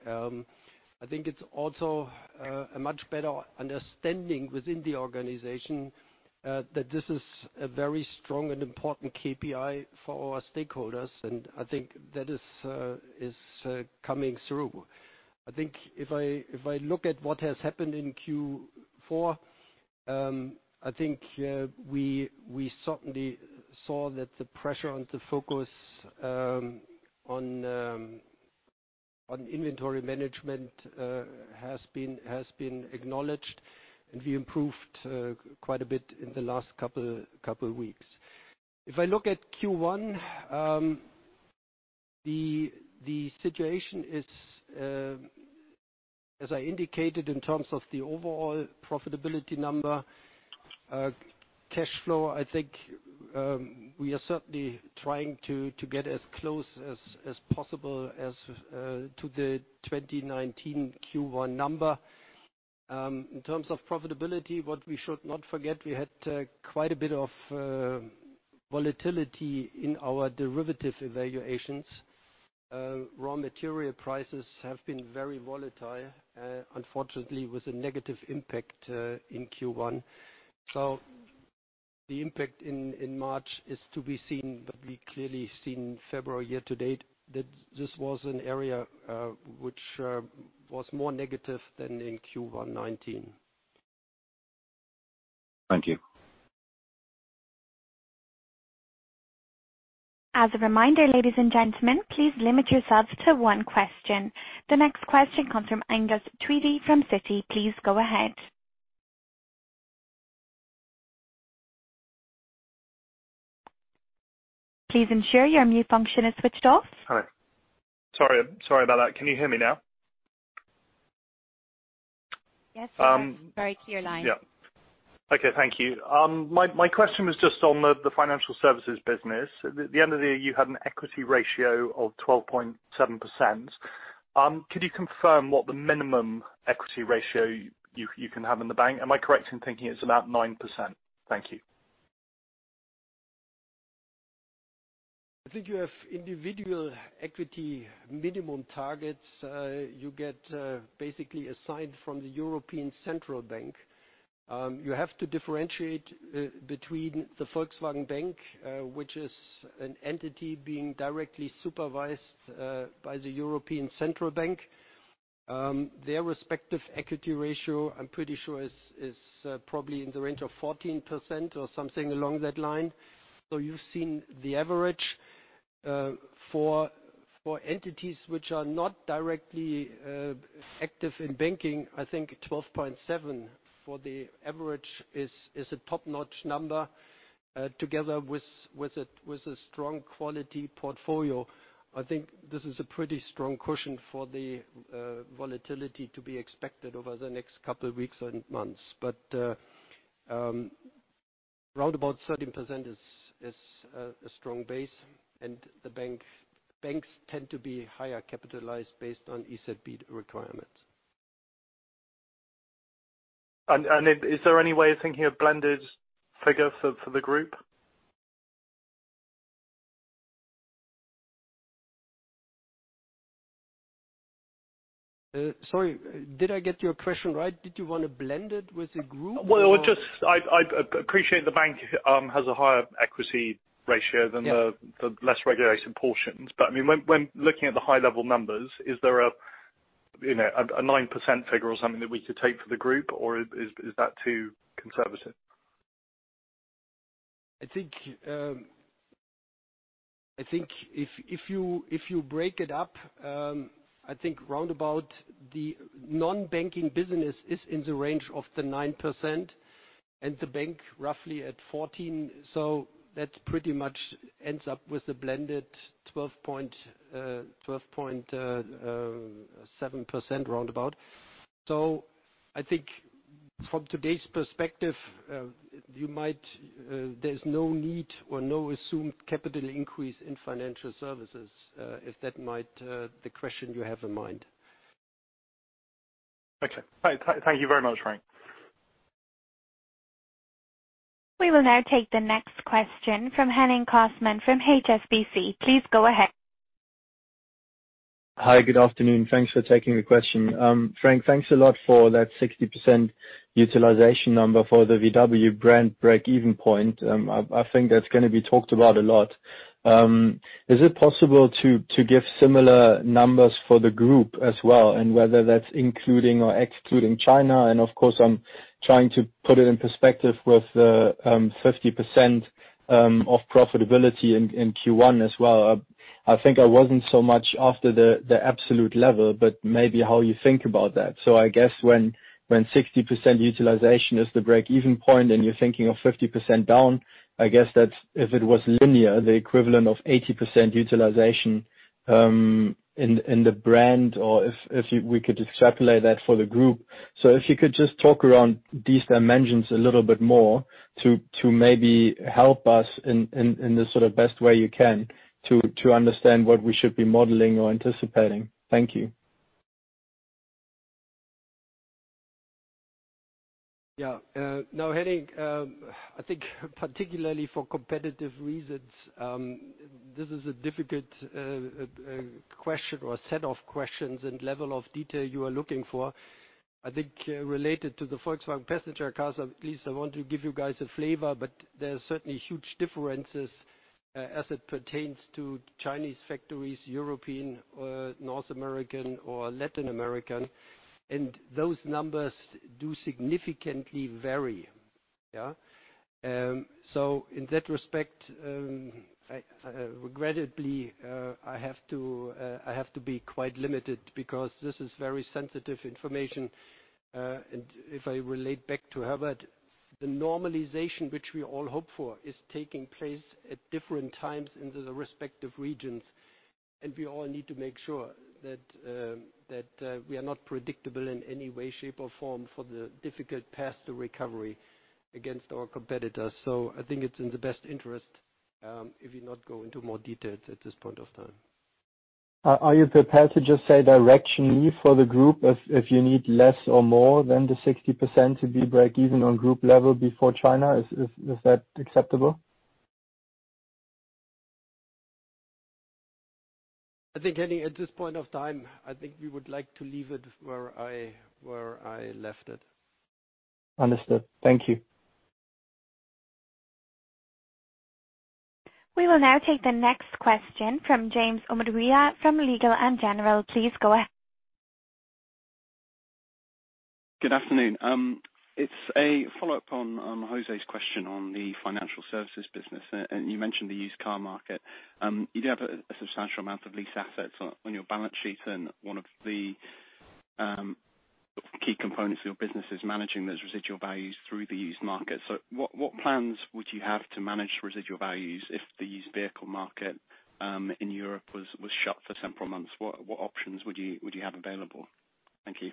I think it's also a much better understanding within the organization, that this is a very strong and important KPI for our stakeholders, and I think that is coming through. I think if I look at what has happened in Q4, I think we certainly saw that the pressure and the focus on inventory management has been acknowledged, and we improved quite a bit in the last couple of weeks. If I look at Q1, the situation is, as I indicated, in terms of the overall profitability number, cash flow, I think, we are certainly trying to get as close as possible as to the 2019 Q1 number. In terms of profitability, what we should not forget, we had quite a bit of volatility in our derivative evaluations. Raw material prices have been very volatile, unfortunately with a negative impact in Q1. The impact in March is to be seen, but we clearly seen February year to date, that this was an area which was more negative than in Q1 2019. Thank you. As a reminder, ladies and gentlemen, please limit yourselves to one question. The next question comes from Angus Tweedie from Citi. Please go ahead. Please ensure your mute function is switched off. Hi. Sorry about that. Can you hear me now? Yes, we can. Very clear line. Okay, thank you. My question was just on the financial services business. At the end of the year, you had an equity ratio of 12.7%. Could you confirm what the minimum equity ratio you can have in the Bank? Am I correct in thinking it's about 9%? Thank you. I think you have individual equity minimum targets, you get basically assigned from the European Central Bank. You have to differentiate between the Volkswagen Bank, which is an entity being directly supervised by the European Central Bank. Their respective equity ratio, I'm pretty sure is probably in the range of 14% or something along that line. You've seen the average. For entities which are not directly active in banking, I think 12.7% for the average is a top-notch number, together with a strong quality portfolio. I think this is a pretty strong cushion for the volatility to be expected over the next couple weeks and months. Roundabout 13% is a strong base, and the banks tend to be higher capitalized based on ECB requirements. Is there any way of thinking a blended figure for the group? Sorry, did I get your question right? Did you want to blend it with the Group? Well, I appreciate the bank has a higher equity ratio than the less regulation portions. When looking at the high level numbers, is there a 9% figure or something that we could take for the group or is that too conservative? I think if you break it up, I think roundabout the non-banking business is in the range of the 9% and the bank roughly at 14%. That pretty much ends up with a blended 12.7% roundabout. I think from today's perspective, there's no need or no assumed capital increase in financial services, if that might the question you have in mind. Okay. Thank you very much, Frank. We will now take the next question from Henning Cosman from HSBC. Please go ahead Hi. Good afternoon. Thanks for taking the question. Frank, thanks a lot for that 60% utilization number for the VW brand break-even point. I think that's going to be talked about a lot. Is it possible to give similar numbers for the group as well, and whether that's including or excluding China? Of course, I'm trying to put it in perspective with the 50% of profitability in Q1 as well. I think I wasn't so much after the absolute level, but maybe how you think about that. I guess when 60% utilization is the break-even point and you're thinking of 50% down, I guess that if it was linear, the equivalent of 80% utilization in the brand, or if we could extrapolate that for the group. If you could just talk around these dimensions a little bit more to maybe help us in the best way you can to understand what we should be modeling or anticipating. Thank you. Yeah. No, Henning, I think particularly for competitive reasons, this is a difficult question or set of questions and level of detail you are looking for. I think related to the Volkswagen Passenger Cars, at least I want to give you guys a flavor, but there are certainly huge differences as it pertains to Chinese factories, European or North American, or Latin American, and those numbers do significantly vary. Yeah. In that respect, regrettably, I have to be quite limited because this is very sensitive information. If I relate back to Herbert, the normalization which we all hope for is taking place at different times in the respective regions, and we all need to make sure that we are not predictable in any way, shape, or form for the difficult path to recovery against our competitors. I think it's in the best interest if we not go into more details at this point of time. Are you prepared to just say directionally for the group if you need less or more than the 60% to be break-even on group level before China? Is that acceptable? I think, Henning, at this point of time, I think we would like to leave it where I left it. Understood. Thank you. We will now take the next question from James Umedria from Legal and General. Good afternoon. It's a follow-up on José's question on the financial services business, and you mentioned the used car market. You do have a substantial amount of lease assets on your balance sheet and one of the key components of your business is managing those residual values through the used market. What plans would you have to manage residual values if the used vehicle market in Europe was shut for several months? What options would you have available? Thank you.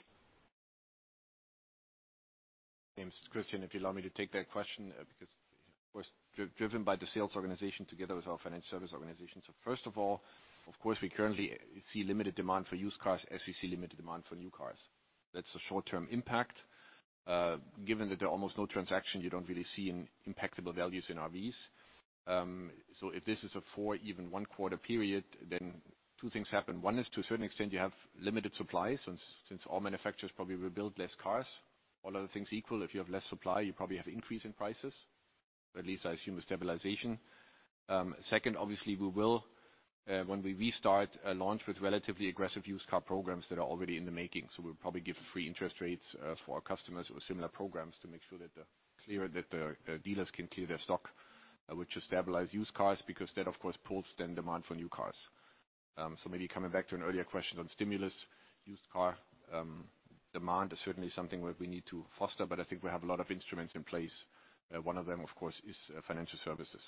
James, Christian, if you allow me to take that question because, of course, driven by the sales organization together with our finance service organization. First of all, of course, we currently see limited demand for used cars as we see limited demand for new cars. That's a short-term impact. Given that there are almost no transactions, you don't really see impactable values in RVs. If this is a four, even one quarter period, then two things happen. One is to a certain extent you have limited supply since all manufacturers probably will build less cars. All other things equal, if you have less supply, you probably have an increase in prices, or at least I assume a stabilization. Second, obviously we will, when we restart a launch with relatively aggressive used car programs that are already in the making. We'll probably give free interest rates for our customers or similar programs to make sure that the dealers can clear their stock, which will stabilize used cars because that of course pulls then demand for new cars. Maybe coming back to an earlier question on stimulus, used car demand is certainly something where we need to foster, but I think we have a lot of instruments in place. One of them, of course, is financial services.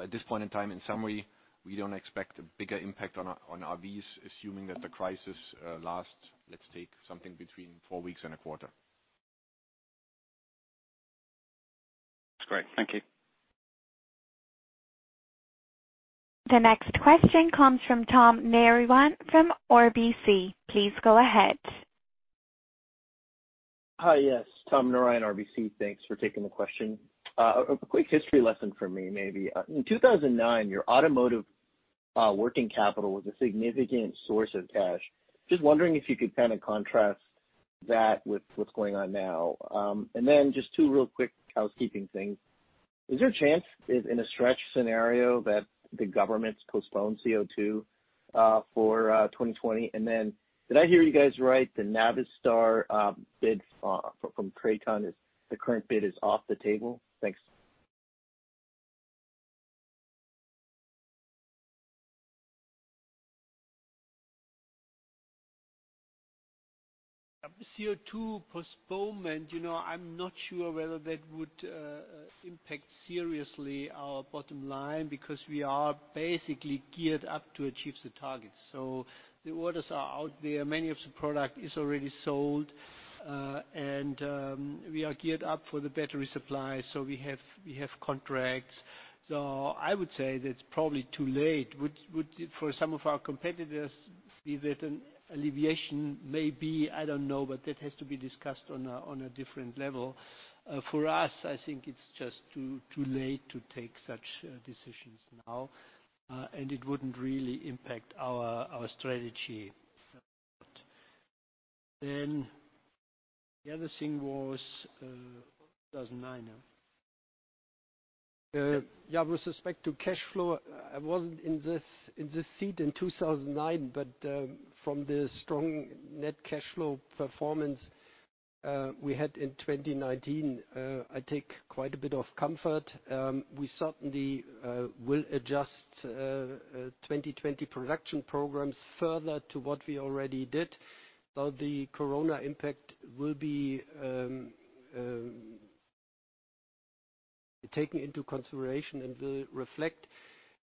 At this point in time, in summary, we don't expect a bigger impact on RVs assuming that the crisis lasts, let's take something between four weeks and a quarter. That's great. Thank you. The next question comes from Tom Narayan from RBC. Please go ahead. Hi. Yes, Tom Narayan, RBC. Thanks for taking the question. A quick history lesson for me, maybe. In 2009, your automotive working capital was a significant source of cash. Wondering if you could kind of contrast that with what's going on now. Just two real quick housekeeping things. Is there a chance in a stretch scenario that the governments postpone CO2 for 2020? Did I hear you guys right, the Navistar bid from TRATON, the current bid is off the table? Thanks. CO2 postponement. I'm not sure whether that would impact seriously our bottom line because we are basically geared up to achieve the targets. The orders are out there. Many of the product is already sold. We are geared up for the battery supply, so we have contracts. I would say that it's probably too late. For some of our competitors. Dividend alleviation may be, I don't know, but that has to be discussed on a different level. For us, I think it's just too late to take such decisions now, and it wouldn't really impact our strategy. The other thing was 2009. Yeah, with respect to cash flow, I wasn't in this seat in 2009, but from the strong net cash flow performance we had in 2019, I take quite a bit of comfort. We certainly will adjust 2020 production programs further to what we already did. The Corona impact will be taken into consideration and will reflect.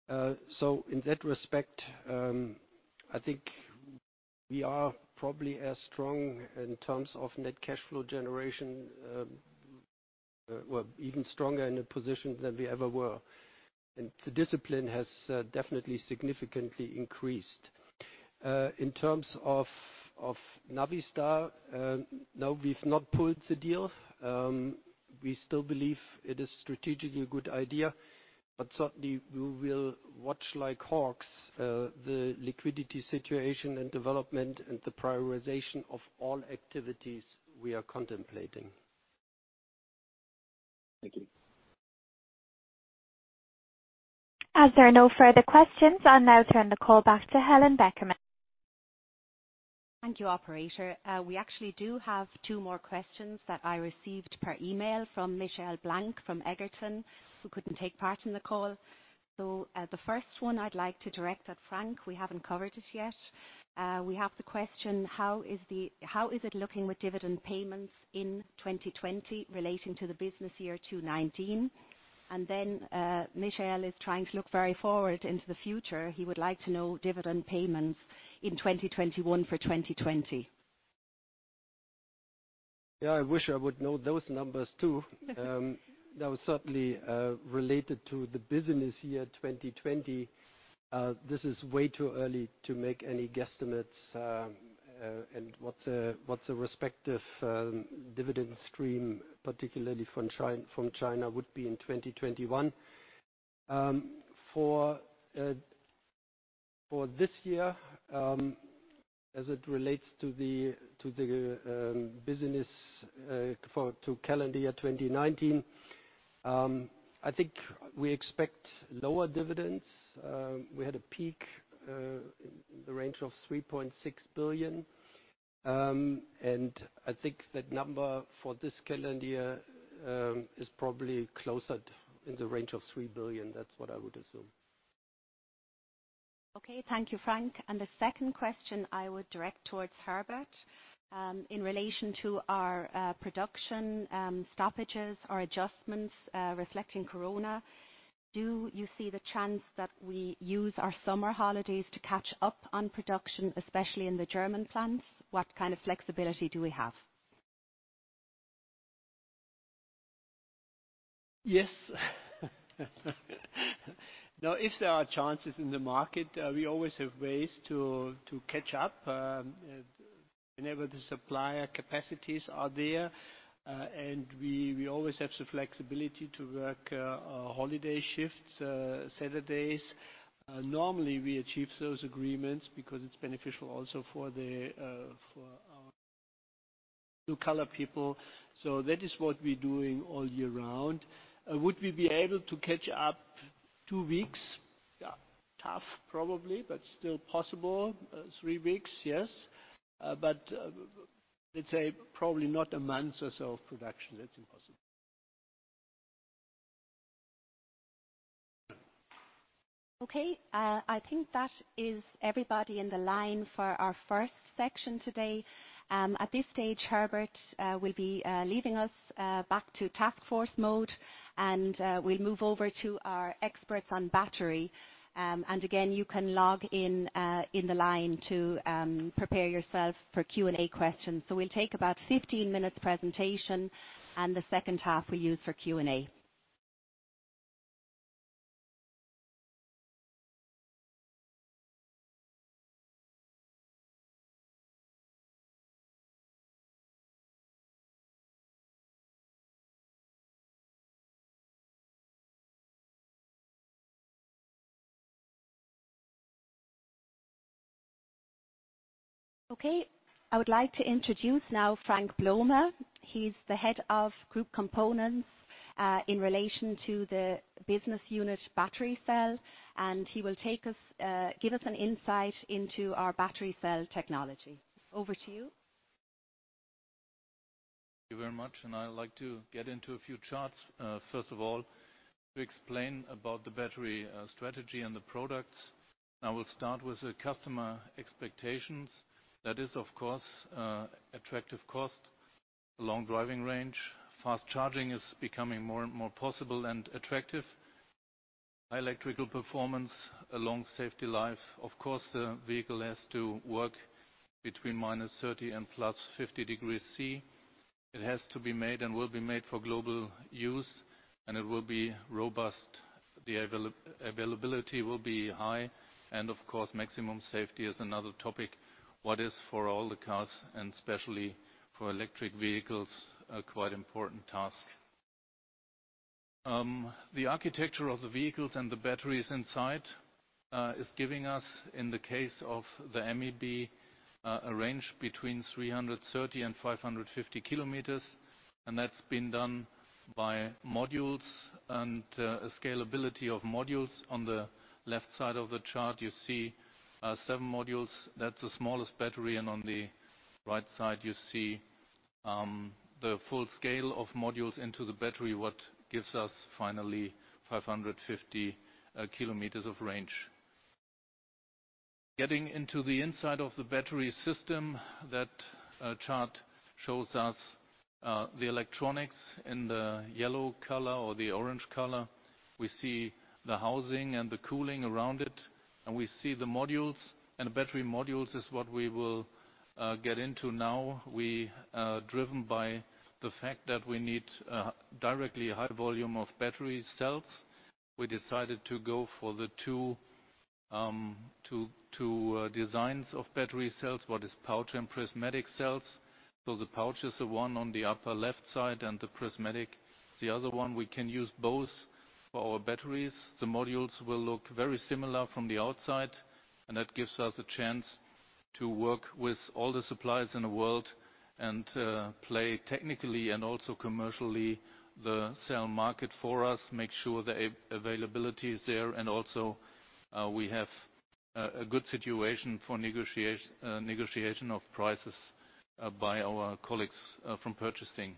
In that respect, I think we are probably as strong in terms of net cash flow generation, well, even stronger in a position than we ever were. The discipline has definitely significantly increased. In terms of Navistar, no, we've not pulled the deal. We still believe it is strategically a good idea, but certainly we will watch like hawks, the liquidity situation and development and the prioritization of all activities we are contemplating. Thank you. As there are no further questions, I'll now turn the call back to Helen Beckman. Thank you, operator. We actually do have two more questions that I received per email from Michael Blank from Egerton, who couldn't take part in the call. The first one I'd like to direct at Frank, we haven't covered it yet. We have the question, how is it looking with dividend payments in 2020 relating to the business year 2019? Then, Michael is trying to look very forward into the future. He would like to know dividend payments in 2021 for 2020. Yeah, I wish I would know those numbers, too. That was certainly related to the business year 2020. This is way too early to make any guesstimates, and what the respective dividend stream, particularly from China would be in 2021. For this year, as it relates to the business to calendar year 2019, I think we expect lower dividends. We had a peak in the range of 3.6 billion. I think that number for this calendar year is probably closer in the range of 3 billion. That's what I would assume. Okay. Thank you, Frank. The second question I would direct towards Herbert. In relation to our production stoppages or adjustments reflecting Corona, do you see the chance that we use our summer holidays to catch up on production, especially in the German plants? What kind of flexibility do we have? Yes. If there are chances in the market, we always have ways to catch up. Whenever the supplier capacities are there, we always have the flexibility to work holiday shifts, Saturdays. Normally, we achieve those agreements because it's beneficial also for our blue-collar people. That is what we're doing all year round. Would we be able to catch up two weeks? Yeah. Tough probably, but still possible. Three weeks, yes. Let's say probably not a month or so of production. That's impossible. Okay. I think that is everybody in the line for our first section today. At this stage, Herbert will be leaving us back to task force mode, and we'll move over to our experts on battery. Again, you can log in the line to prepare yourself for Q&A questions. We'll take about 15 minutes presentation, and the second half we use for Q&A. Okay, I would like to introduce now Frank Blome. He's the head of Group Components in relation to the business unit battery cell, and he will give us an insight into our battery cell technology. Over to you. Thank you very much. I'd like to get into a few charts, first of all, to explain about the battery strategy and the products. I will start with the customer expectations. That is, of course, attractive cost, long driving range, fast charging is becoming more and more possible and attractive. High electrical performance, a long safety life. Of course, the vehicle has to work between -30 and +50 degrees Celsius. It has to be made and will be made for global use. It will be robust. The availability will be high. Of course, maximum safety is another topic. What is, for all the cars and especially for electric vehicles, a quite important task. The architecture of the vehicles and the batteries inside is giving us, in the case of the MEB, a range between 330 and 550 kilometers, and that's been done by modules and scalability of modules. On the left side of the chart, you see seven modules. That's the smallest battery. On the right side, you see the full scale of modules into the battery, what gives us finally 550 kilometers of range. Getting into the inside of the battery system. That chart shows us the electronics in the yellow color or the orange color. We see the housing and the cooling around it, and we see the modules, and battery modules is what we will get into now. We, driven by the fact that we need directly a high volume of battery cells, we decided to go for the two designs of battery cells, what is pouch and prismatic cells. The pouch is the one on the upper left side and the prismatic, the other one. We can use both for our batteries. The modules will look very similar from the outside, and that gives us a chance to work with all the suppliers in the world and play technically and also commercially the cell market for us, make sure the availability is there. Also we have a good situation for negotiation of prices by our colleagues from purchasing.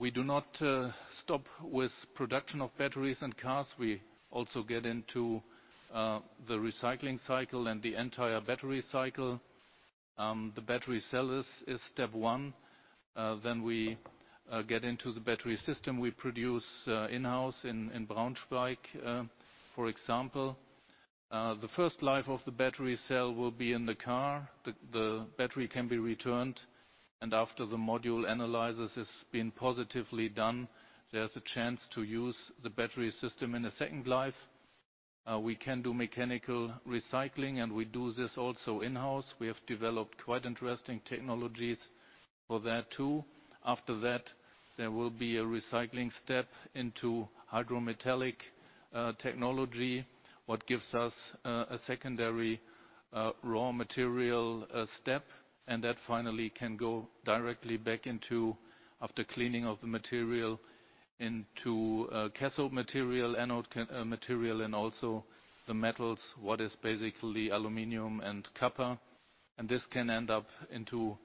We do not stop with production of batteries and cars. We also get into the recycling cycle and the entire battery cycle. The battery cell is step one. We get into the battery system we produce in-house in Braunschweig, for example. The first life of the battery cell will be in the car. The battery can be returned, and after the module analysis has been positively done, there's a chance to use the battery system in a second life. We can do mechanical recycling, and we do this also in-house. We have developed quite interesting technologies for that, too. After that, there will be a recycling step into hydrometallurgical technology, what gives us a secondary raw material step. That finally can go directly back into, after cleaning of the material, into cathode material, anode material, and also the metals, what is basically aluminum and copper. This can end up into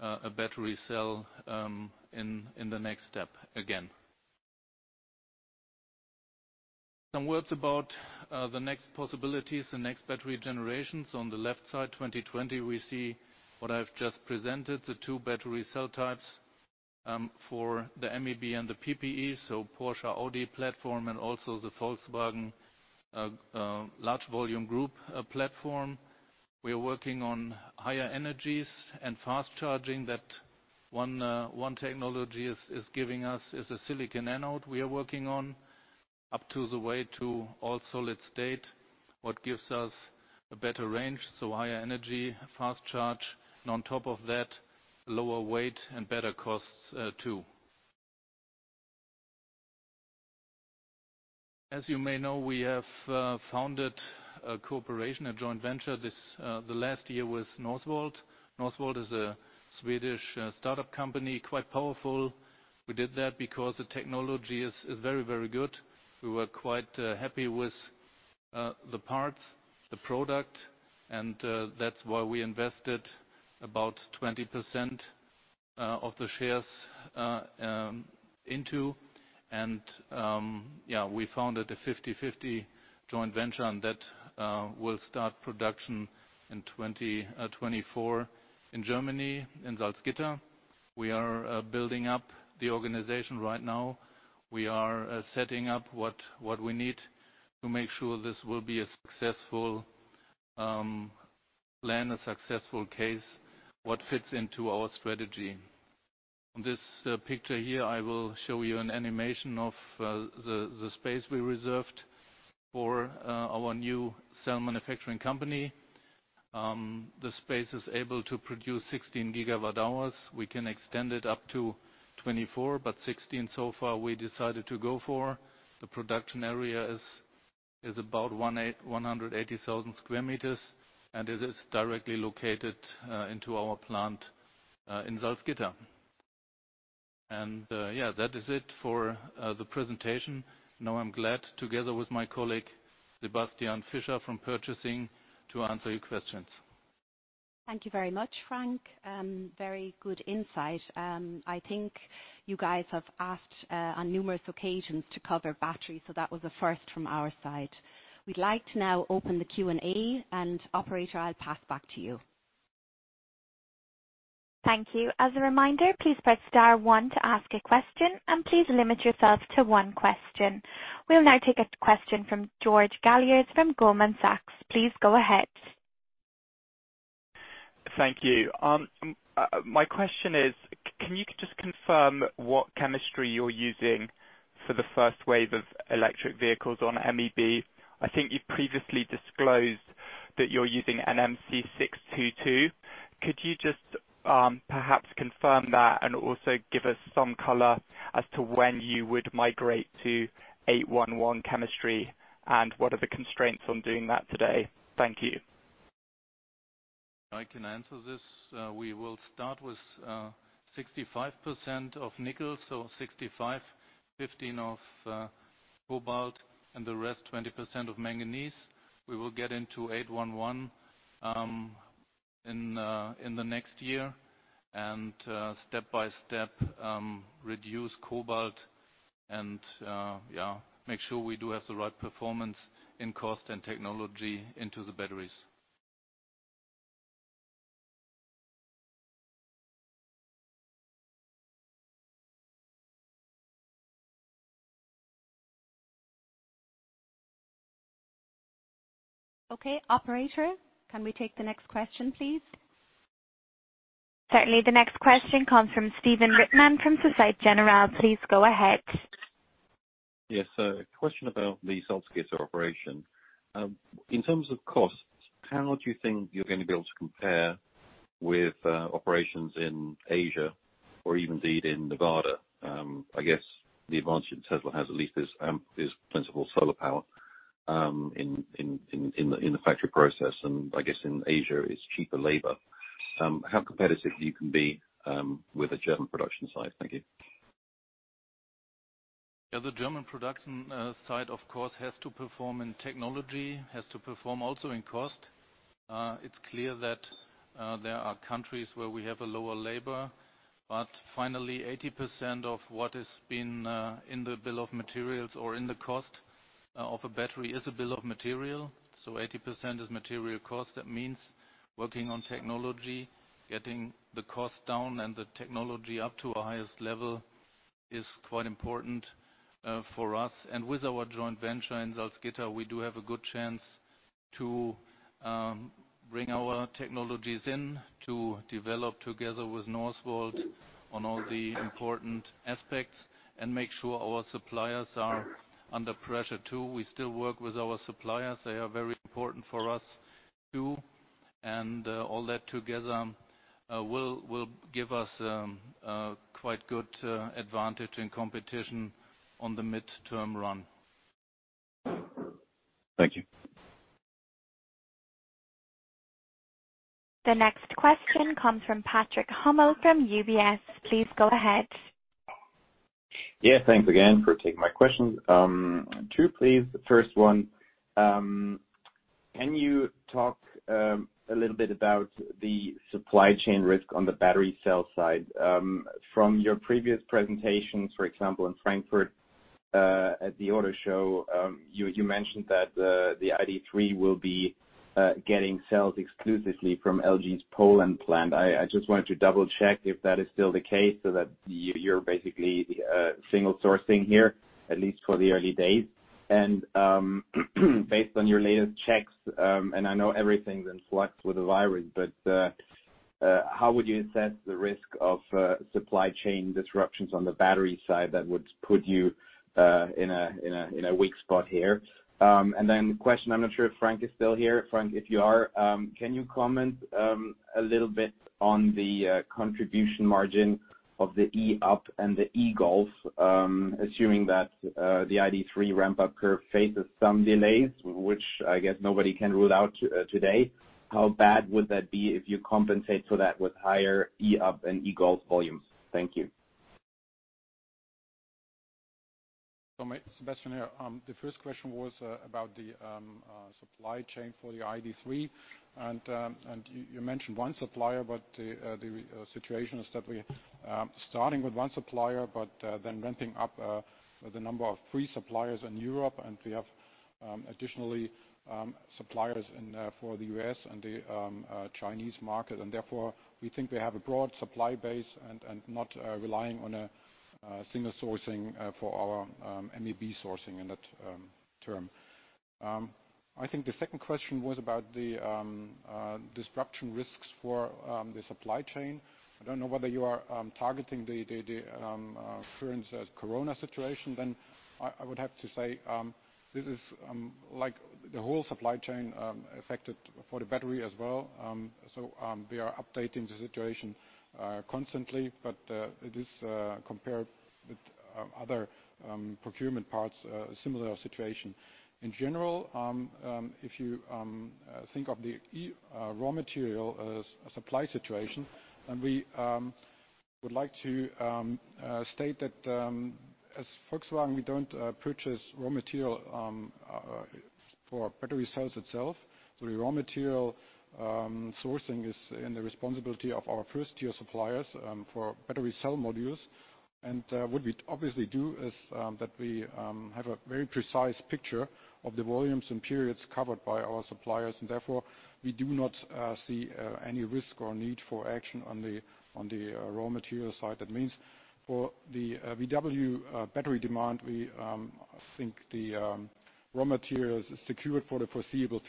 a battery cell in the next step again. Some words about the next possibilities, the next battery generations. On the left side, 2020, we see what I've just presented, the two battery cell types for the MEB and the PPE, so Porsche, Audi platform, and also the Volkswagen large volume group platform. We are working on higher energies and fast charging. That one technology is giving us is a silicon anode we are working on up to the way to all solid-state, what gives us a better range. Higher energy, fast charge, and on top of that, lower weight and better costs, too. As you may know, we have founded a cooperation, a joint venture, the last year with Northvolt. Northvolt is a Swedish startup company, quite powerful. We did that because the technology is very good. We were quite happy with the parts, the product, and that's why we invested about 20% of the shares into. We founded a 50/50 joint venture, and that will start production in 2024 in Germany, in Salzgitter. We are building up the organization right now. We are setting up what we need to make sure this will be a successful plan, a successful case, what fits into our strategy. On this picture here, I will show you an animation of the space we reserved for our new cell manufacturing company. The space is able to produce 16 gigawatt hours. We can extend it up to 24, but 16 so far we decided to go for. The production area is about 180,000 sq m, and it is directly located into our plant in Salzgitter. Yeah, that is it for the presentation. Now I'm glad, together with my colleague, Sebastian Fischer from purchasing, to answer your questions. Thank you very much, Frank. Very good insight. I think you guys have asked on numerous occasions to cover batteries, so that was a first from our side. We'd like to now open the Q&A, and operator, I'll pass back to you. Thank you. As a reminder, please press star one to ask a question, and please limit yourself to one question. We will now take a question from George Galliers from Goldman Sachs. Please go ahead. Thank you. My question is, can you just confirm what chemistry you're using for the first wave of electric vehicles on MEB? I think you've previously disclosed that you're using NMC622. Could you just perhaps confirm that and also give us some color as to when you would migrate to 811 chemistry, and what are the constraints on doing that today? Thank you. I can answer this. We will start with 65% of nickel, so 65/15 of cobalt and the rest 20% of manganese. We will get into 811 in the next year, and step by step, reduce cobalt and make sure we do have the right performance in cost and technology into the batteries. Okay. Operator, can we take the next question, please? Certainly. The next question comes from Stephen Reitman from Societe Generale. Please go ahead. Yes. A question about the Salzgitter operation. In terms of costs, how do you think you're going to be able to compare with operations in Asia or even indeed in Nevada? I guess the advantage Tesla has at least is plentiful solar power in the factory process, and I guess in Asia, it's cheaper labor. How competitive you can be with a German production site? Thank you. Yeah. The German production site, of course, has to perform in technology, has to perform also in cost. Finally, 80% of what has been in the bill of materials or in the cost of a battery is a bill of material. 80% is material cost. That means working on technology, getting the cost down and the technology up to a highest level is quite important for us. With our joint venture in Salzgitter, we do have a good chance to bring our technologies in to develop together with Northvolt on all the important aspects and make sure our suppliers are under pressure too. We still work with our suppliers. They are very important for us too, all that together will give us quite good advantage in competition on the midterm run. Thank you. The next question comes from Patrick Hummel from UBS. Please go ahead. Yes. Thanks again for taking my questions. Two, please. The first one, can you talk a little bit about the supply chain risk on the battery cell side? From your previous presentations, for example, in Frankfurt, at the auto show, you mentioned that the ID.3 will be getting cells exclusively from LG's Poland plant. I just wanted to double-check if that is still the case, so that you're basically single sourcing here, at least for the early days. Based on your latest checks, and I know everything's in flux with the virus, but how would you assess the risk of supply chain disruptions on the battery side that would put you in a weak spot here? Question, I'm not sure if Frank is still here. Frank, if you are, can you comment a little bit on the contribution margin of the e-up! and the e-Golf, assuming that the ID.3 ramp-up curve faces some delays, which I guess nobody can rule out today. How bad would that be if you compensate for that with higher e-up! and e-Golf volumes? Thank you. Sebastian here. The first question was about the supply chain for the ID.3. You mentioned one supplier, but the situation is that we're starting with one supplier, but then ramping up the number of three suppliers in Europe, and we have additionally suppliers for the U.S. and the Chinese market. Therefore, we think we have a broad supply base and not relying on a single sourcing for our MEB sourcing in that term. I think the second question was about the disruption risks for the supply chain. I don't know whether you are targeting the current Corona situation, then I would have to say this is like the whole supply chain affected for the battery as well. We are updating the situation constantly, it is compared with other procurement parts, a similar situation. In general, if you think of the raw material supply situation, we would like to state that as Volkswagen, we don't purchase raw material for battery cells itself. The raw material sourcing is in the responsibility of our first-tier suppliers for battery cell modules. What we obviously do is that we have a very precise picture of the volumes and periods covered by our suppliers, and therefore, we do not see any risk or need for action on the raw material side. That means for the VW battery demand, we think the raw material is secured for the foreseeable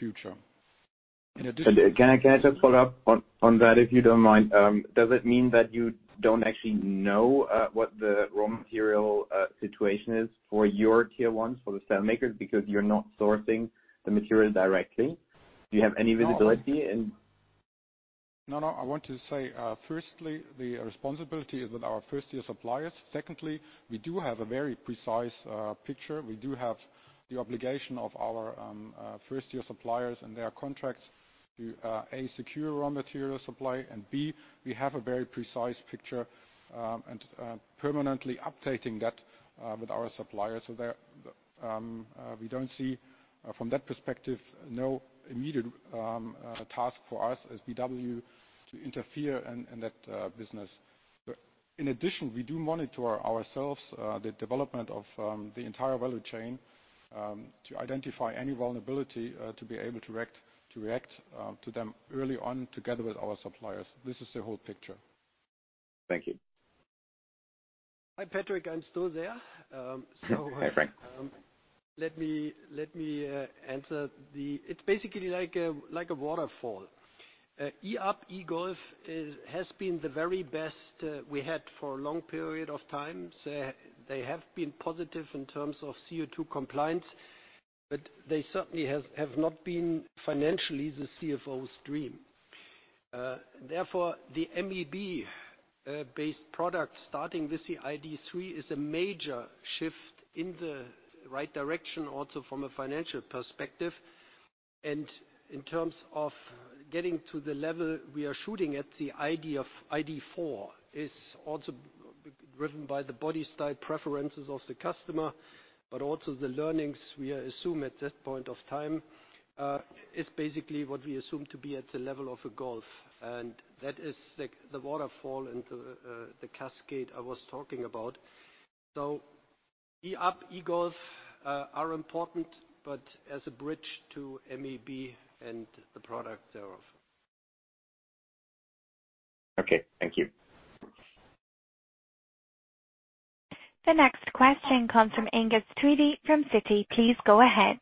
future. Can I just follow up on that, if you don't mind? Does it mean that you don't actually know what the raw material situation is for your tier 1s, for the cell makers, because you're not sourcing the material directly? No, I want to say, firstly, the responsibility is with our first-tier suppliers. Secondly, we do have a very precise picture. We do have the obligation of our first-tier suppliers and their contracts to, A, secure raw material supply, and B, we have a very precise picture and permanently updating that with our suppliers. We don't see, from that perspective, no immediate task for us as VW to interfere in that business. In addition, we do monitor ourselves the development of the entire value chain, to identify any vulnerability to be able to react to them early on together with our suppliers. This is the whole picture. Thank you. Hi, Patrick. I'm still there. Hi, Frank. Let me answer. It's basically like a waterfall. e-up!, e-Golf has been the very best we had for a long period of time. They have been positive in terms of CO2 compliance, they certainly have not been financially the CFO's dream. Therefore, the MEB-based product starting with the ID.3 is a major shift in the right direction, also from a financial perspective. In terms of getting to the level we are shooting at, the ID.4 is also driven by the body style preferences of the customer, but also the learnings we assume at that point of time, is basically what we assume to be at the level of a Golf. That is the waterfall and the cascade I was talking about. e-up!, e-Golf are important, but as a bridge to MEB and the product thereof. Okay. Thank you. The next question comes from Angus Tweedie from Citi. Please go ahead.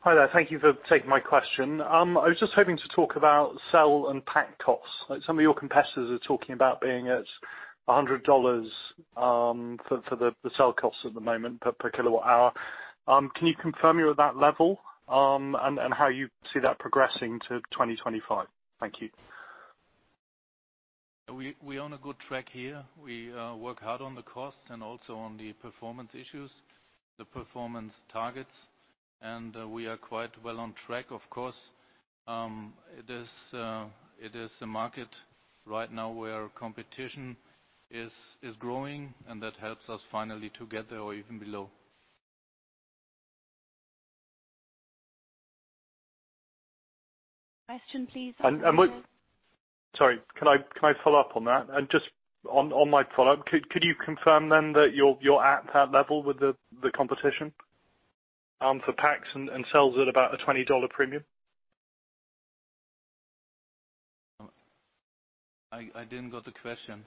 Hi there. Thank you for taking my question. I was just hoping to talk about cell and pack costs. Some of your competitors are talking about being at $100 for the cell costs at the moment per kilowatt hour. Can you confirm you're at that level, and how you see that progressing to 2025? Thank you. We're on a good track here. We work hard on the cost and also on the performance issues, the performance targets. We are quite well on track. Of course, it is a market right now where competition is growing. That helps us finally to get there or even below. Question, please. Sorry, can I follow up on that? Just on my follow-up, could you confirm then that you're at that level with the competition for packs and cells at about a EUR 20 premium? I didn't get the question.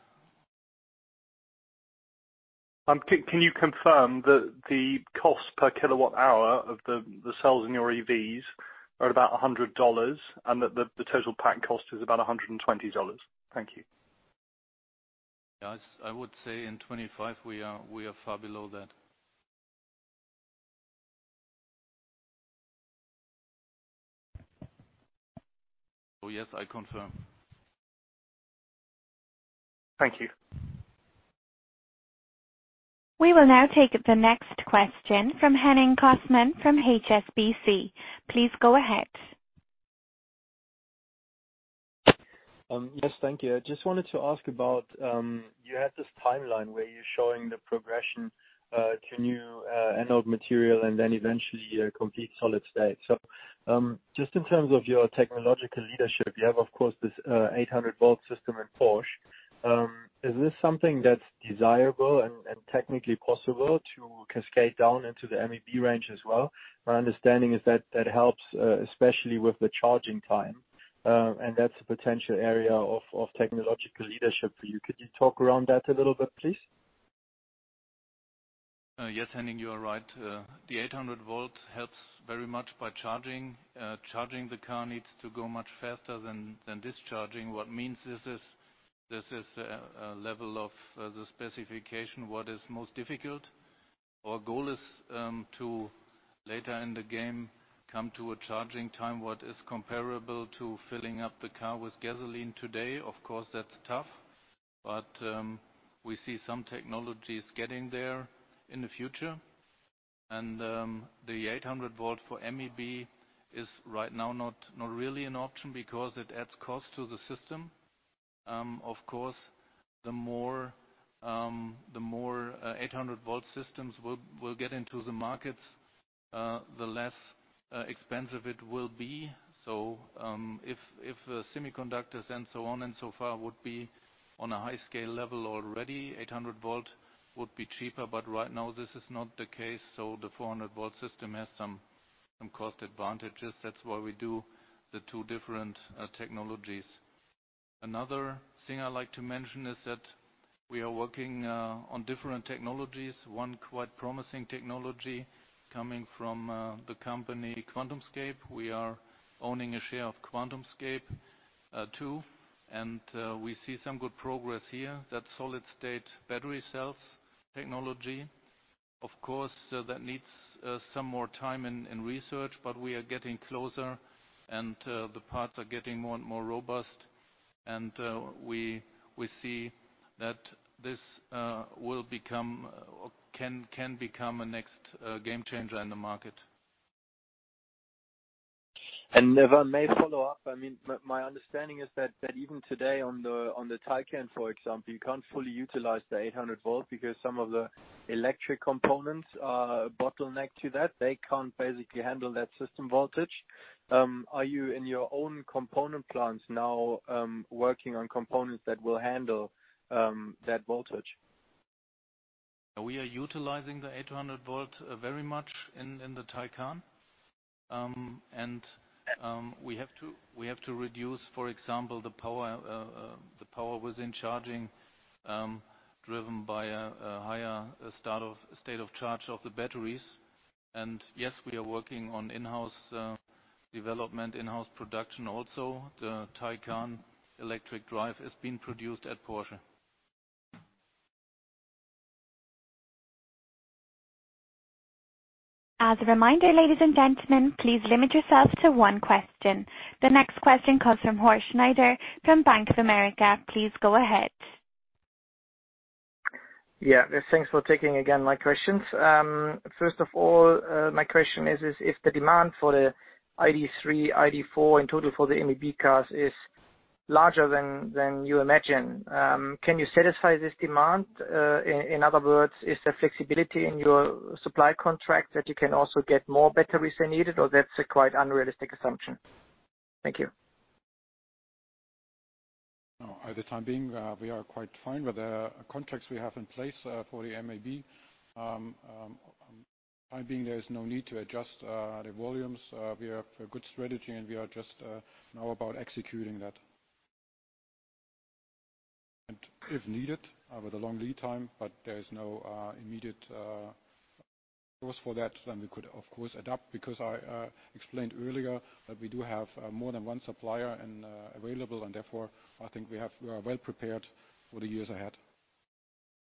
Can you confirm that the cost per kilowatt hour of the cells in your EVs are at about EUR 100, and that the total pack cost is about EUR 120? Thank you. Yes, I would say in 2025, we are far below that. Yes, I confirm. Thank you. We will now take the next question from Henning Cosman from HSBC. Please go ahead. Yes, thank you. I just wanted to ask about, you had this timeline where you're showing the progression to new anode material and then eventually a complete solid-state. Just in terms of your technological leadership, you have, of course, this 800-volt system in Porsche. Is this something that's desirable and technically possible to cascade down into the MEB range as well? My understanding is that helps, especially with the charging time, and that's a potential area of technological leadership for you. Could you talk around that a little bit, please? Yes, Henning, you are right. The 800 volt helps very much by charging. Charging the car needs to go much faster than discharging. What means is this is a level of the specification, what is most difficult. Our goal is to, later in the game, come to a charging time what is comparable to filling up the car with gasoline today. Of course, that's tough, but we see some technologies getting there in the future. The 800 volt for MEB is right now not really an option because it adds cost to the system. Of course, the more 800-volt systems will get into the markets, the less expensive it will be. If the semiconductors and so on and so far would be on a high scale level already, 800 volt would be cheaper. Right now, this is not the case, so the 400-volt system has some cost advantages. That's why we do the two different technologies. Another thing I'd like to mention is that we are working on different technologies. One quite promising technology coming from the company QuantumScape. We are owning a share of QuantumScape too, and we see some good progress here. That solid-state battery cells technology, of course, that needs some more time and research, but we are getting closer, and the parts are getting more and more robust. We see that this can become a next game changer in the market. If I may follow up. My understanding is that even today on the Taycan, for example, you can't fully utilize the 800 volt because some of the electric components are a bottleneck to that. They can't basically handle that system voltage. Are you, in your own component plants now, working on components that will handle that voltage? We are utilizing the 800 volt very much in the Taycan. We have to reduce, for example, the power within charging, driven by a higher state of charge of the batteries. Yes, we are working on in-house development, in-house production also. The Taycan electric drive is being produced at Porsche. As a reminder, ladies and gentlemen, please limit yourselves to one question. The next question comes from Horst Schneider from Bank of America. Please go ahead. Yeah. Thanks for taking, again, my questions. First of all, my question is if the demand for the ID.3, ID.4, in total for the MEB cars is larger than you imagine. Can you satisfy this demand? In other words, is there flexibility in your supply contract that you can also get more batteries when needed, or that's a quite unrealistic assumption? Thank you. At the time being, we are quite fine with the contracts we have in place for the MEB. Time being, there is no need to adjust the volumes. We have a good strategy, and we are just now about executing that. If needed, with a long lead time, but there is no immediate clause for that, then we could, of course, adapt, because I explained earlier that we do have more than one supplier available, and therefore, I think we are well prepared for the years ahead.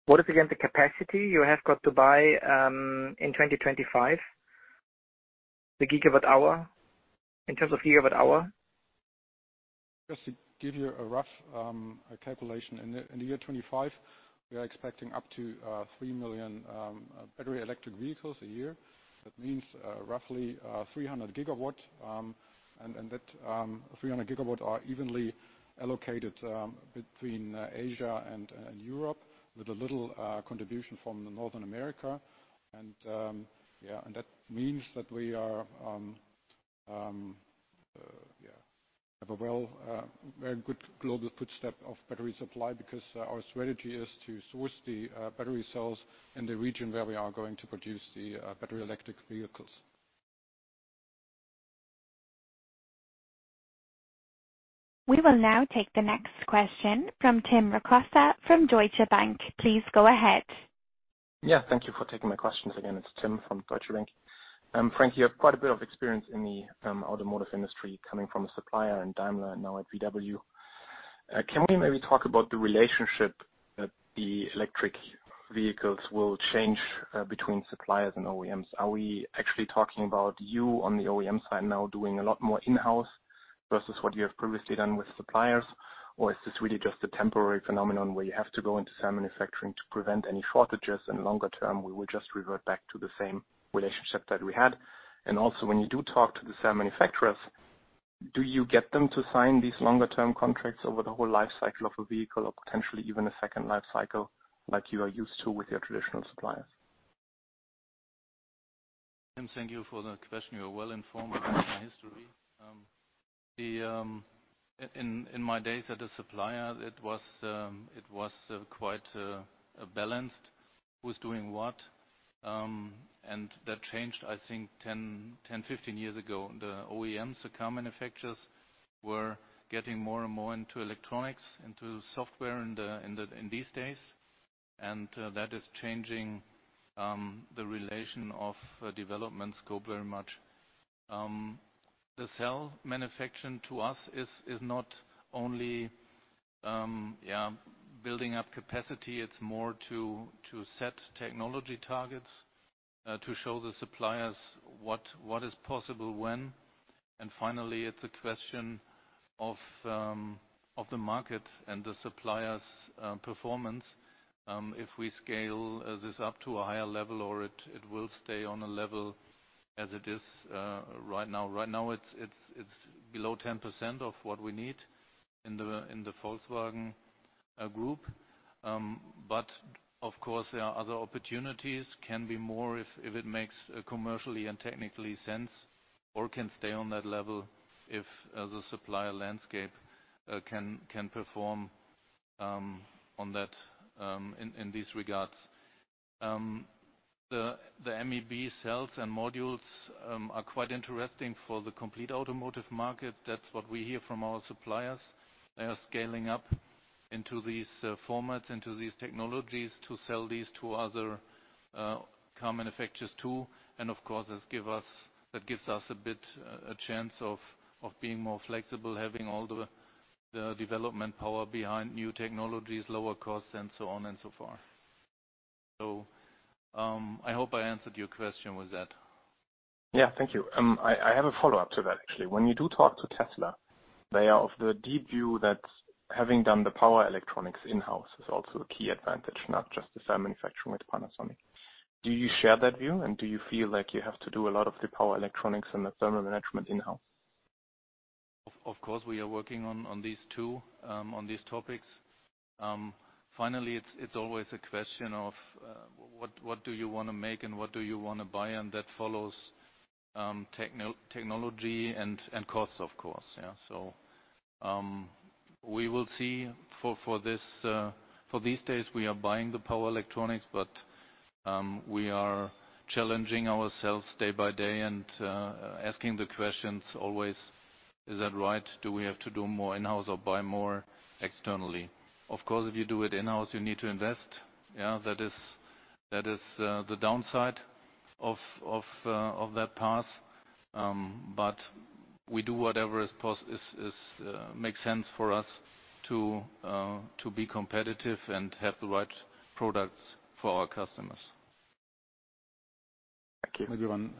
What is, again, the capacity you have got to buy in 2025, the gigawatt hour, in terms of gigawatt hour? Just to give you a rough calculation. In the year 2025, we are expecting up to 3 million battery electric vehicles a year. That means roughly 300 gigawatt, and that 300 gigawatt are evenly allocated between Asia and Europe, with a little contribution from North America. That means that we have a very good global footstep of battery supply because our strategy is to source the battery cells in the region where we are going to produce the battery electric vehicles. We will now take the next question from Tim Rokossa from Deutsche Bank. Please go ahead. Thank you for taking my questions again. It's Tim from Deutsche Bank. Frank, you have quite a bit of experience in the automotive industry, coming from a supplier in Daimler, now at VW. Can we maybe talk about the relationship that the electric vehicles will change between suppliers and OEMs? Are we actually talking about you on the OEM side now doing a lot more in-house versus what you have previously done with suppliers? Is this really just a temporary phenomenon where you have to go into cell manufacturing to prevent any shortages, and longer term, we will just revert back to the same relationship that we had? Also, when you do talk to the cell manufacturers, do you get them to sign these longer-term contracts over the whole life cycle of a vehicle or potentially even a second life cycle like you are used to with your traditional suppliers? Tim, thank you for the question. You are well informed about my history. In my days at a supplier, it was quite balanced who's doing what. That changed, I think, 10, 15 years ago. The OEMs, the car manufacturers, were getting more and more into electronics, into software in these days, that is changing the relation of development scope very much. The cell manufacturing to us is not only building up capacity, it's more to set technology targets to show the suppliers what is possible when. Finally, it's a question of the market and the supplier's performance. If we scale this up to a higher level, or it will stay on a level as it is right now. Right now, it's below 10% of what we need in the Volkswagen Group. Of course, there are other opportunities. Can be more if it makes commercially and technically sense, or it can stay on that level if the supplier landscape can perform on that in these regards. The MEB cells and modules are quite interesting for the complete automotive market. That's what we hear from our suppliers. They are scaling up into these formats, into these technologies, to sell these to other car manufacturers too. Of course, that gives us a chance of being more flexible, having all the development power behind new technologies, lower costs, and so on and so forth. I hope I answered your question with that. Yeah, thank you. I have a follow-up to that, actually. When you do talk to Tesla, they are of the deep view that having done the power electronics in-house is also a key advantage, not just the cell manufacturing with Panasonic. Do you share that view, and do you feel like you have to do a lot of the power electronics and the thermal management in-house? Of course, we are working on these two, on these topics. Finally, it's always a question of what do you want to make and what do you want to buy, and that follows technology and costs, of course. We will see. For these days, we are buying the power electronics, but we are challenging ourselves day-by-day and asking the questions always: Is that right? Do we have to do more in-house or buy more externally? Of course, if you do it in-house, you need to invest. That is the downside of that path. We do whatever makes sense for us to be competitive and have the right products for our customers. Thank you. Maybe one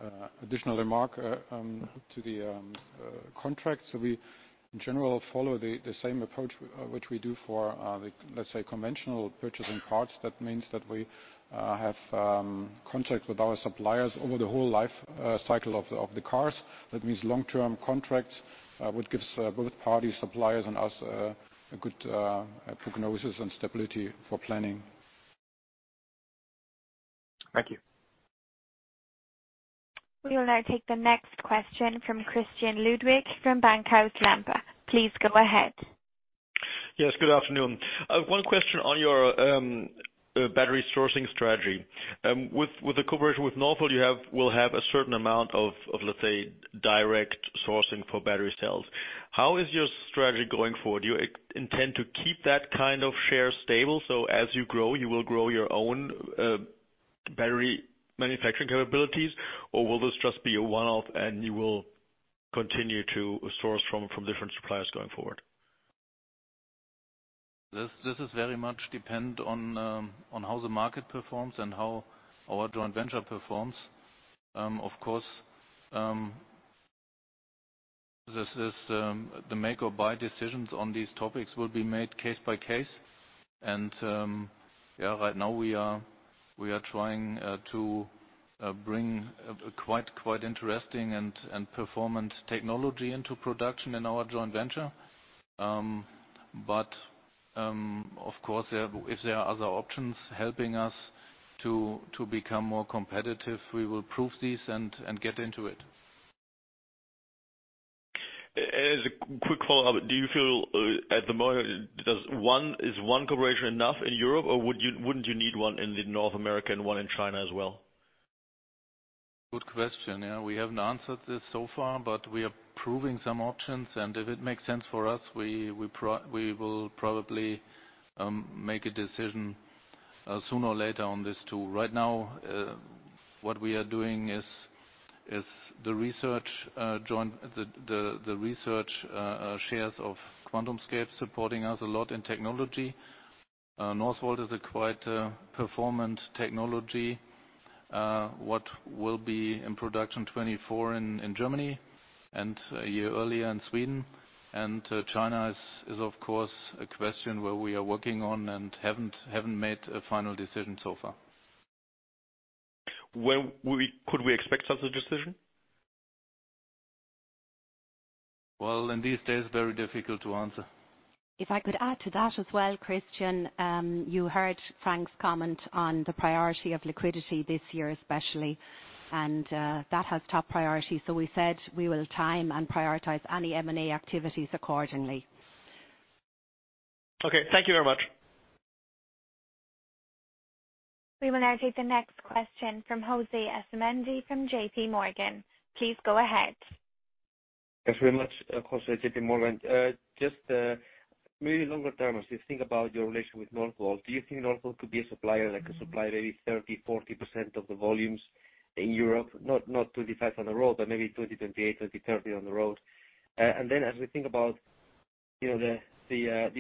additional remark to the contracts. We, in general, follow the same approach which we do for, let's say, conventional purchasing parts. That means that we have contracts with our suppliers over the whole life cycle of the cars. That means long-term contracts, which gives both parties, suppliers and us, a good prognosis and stability for planning. Thank you. We will now take the next question from Christian Ludwig from Bankhaus Lampe. Please go ahead. Yes, good afternoon. One question on your battery sourcing strategy. With the cooperation with Northvolt, you will have a certain amount of, let's say, direct sourcing for battery cells. How is your strategy going forward? Do you intend to keep that kind of share stable, so as you grow, you will grow your own battery manufacturing capabilities? Will this just be a one-off and you will continue to source from different suppliers going forward? This very much depend on how the market performs and how our joint venture performs. Of course, the make or buy decisions on these topics will be made case by case. Right now, we are trying to bring quite interesting and performant technology into production in our joint venture. Of course, if there are other options helping us to become more competitive, we will prove these and get into it. As a quick follow-up, do you feel at the moment, is one cooperation enough in Europe, or wouldn't you need one in North America and one in China as well? Good question. We haven't answered this so far, but we are proving some options, and if it makes sense for us, we will probably make a decision sooner or later on this, too. Right now, what we are doing is the research shares of QuantumScape supporting us a lot in technology. Northvolt is a quite performant technology, what will be in production 2024 in Germany and a year earlier in Sweden. China is, of course, a question where we are working on and haven't made a final decision so far. When could we expect such a decision? Well, in these days, very difficult to answer. If I could add to that as well, Christian, you heard Frank's comment on the priority of liquidity this year, especially, and that has top priority. We said we will time and prioritize any M&A activities accordingly. Okay. Thank you very much. We will now take the next question from José Asumendi from JPMorgan. Please go ahead. Thanks very much. José, JPMorgan. Just maybe longer term, as you think about your relationship with Northvolt, do you think Northvolt could be a supplier that could supply maybe 30%, 40% of the volumes in Europe? Not 25 on the road, but maybe 2028, 2030 on the road. As we think about the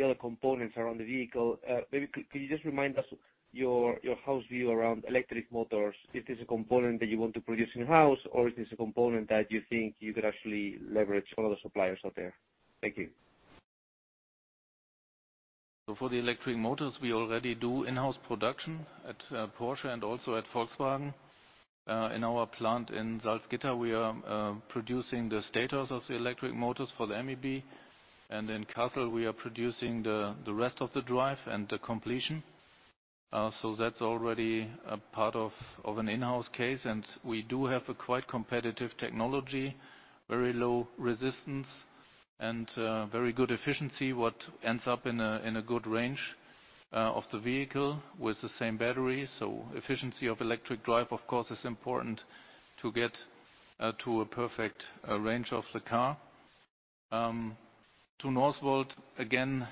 other components around the vehicle, maybe could you just remind us your house view around electric motors? Is this a component that you want to produce in-house, or is this a component that you think you could actually leverage all of the suppliers out there? Thank you. For the electric motors, we already do in-house production at Porsche and also at Volkswagen. In our plant in Salzgitter, we are producing the stators of the electric motors for the MEB, and in Kassel, we are producing the rest of the drive and the completion. That's already a part of an in-house case, and we do have a quite competitive technology, very low resistance and very good efficiency what ends up in a good range of the vehicle with the same battery. Efficiency of electric drive, of course, is important to get to a perfect range of the car. To Northvolt, again,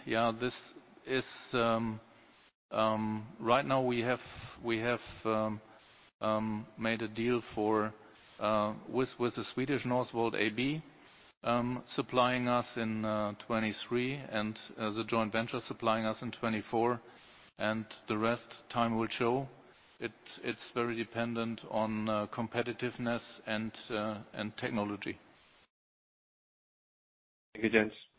right now we have made a deal with the Swedish Northvolt AB, supplying us in 2023, and the joint venture supplying us in 2024. The rest, time will show. It's very dependent on competitiveness and technology. Thank you, gents. As I see from. We will now take. Sorry, excuse me, operator.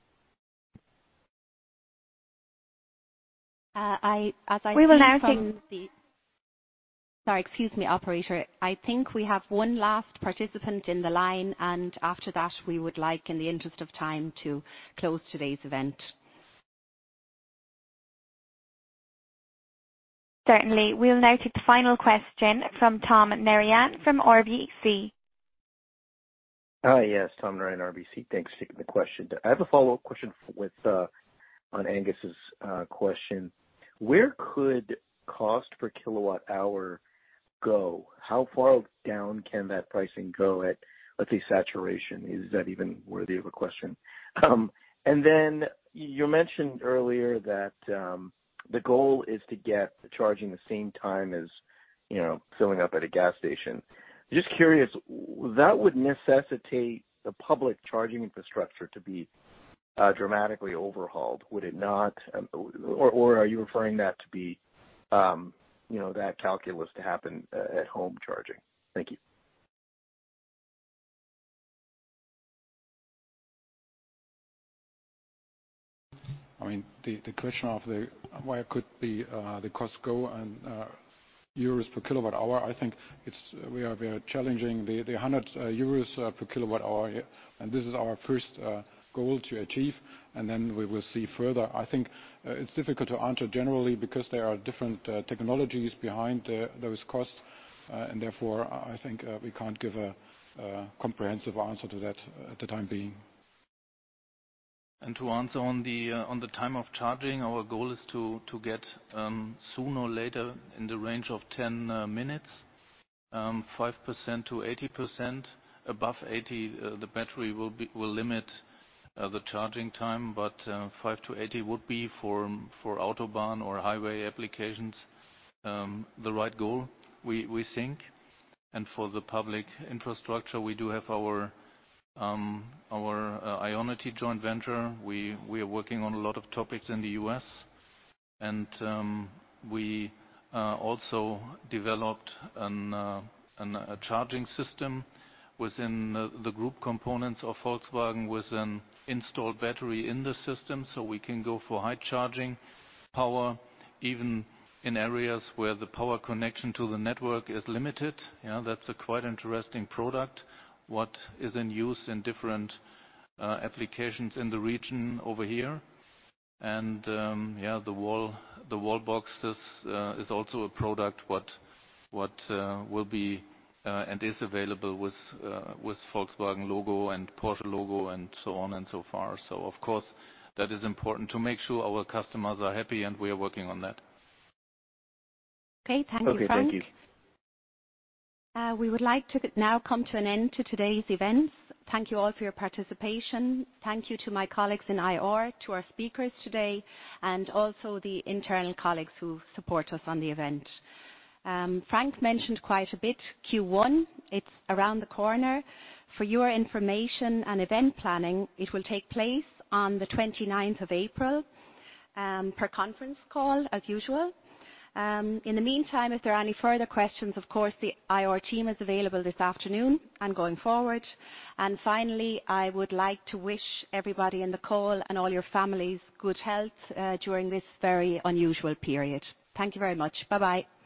I think we have one last participant in the line, and after that, we would like, in the interest of time, to close today's event. Certainly. We'll now take the final question from Tom Narayan from RBC. Yes. Tom Narayan, RBC. Thanks for taking the question. I have a follow-up question on Angus's question. Where could cost per kilowatt hour go? How far down can that pricing go at, let's say, saturation? Is that even worthy of a question? You mentioned earlier that the goal is to get the charging the same time as filling up at a gas station. Just curious, that would necessitate the public charging infrastructure to be dramatically overhauled, would it not? Are you referring that to be that calculus to happen at home charging? Thank you. The question of where could the cost go and EUR per kilowatt hour, I think we are challenging the 100 euros per kilowatt hour. This is our first goal to achieve, and then we will see further. I think it's difficult to answer generally because there are different technologies behind those costs, and therefore, I think we can't give a comprehensive answer to that at the time being. To answer on the time of charging, our goal is to get sooner or later in the range of 10 minutes, 5%-80%. Above 80, the battery will limit the charging time. 5%-80% would be for autobahn or highway applications, the right goal, we think. For the public infrastructure, we do have our IONITY joint venture. We are working on a lot of topics in the U.S. We also developed a charging system within the group components of Volkswagen with an installed battery in the system, so we can go for high charging power even in areas where the power connection to the network is limited. That's a quite interesting product, what is in use in different applications in the region over here. Yeah, the wall boxes is also a product what will be and is available with Volkswagen logo and Porsche logo and so on and so far. Of course, that is important to make sure our customers are happy, and we are working on that. Okay. Thank you, Frank. Okay. Thank you. We would like to now come to an end to today's event. Thank you all for your participation. Thank you to my colleagues in IR, to our speakers today, and also the internal colleagues who support us on the event. Frank mentioned quite a bit, Q1, it's around the corner. For your information and event planning, it will take place on the 29th of April, per conference call as usual. In the meantime, if there are any further questions, of course, the IR team is available this afternoon and going forward. Finally, I would like to wish everybody in the call and all your families good health during this very unusual period. Thank you very much. Bye-bye.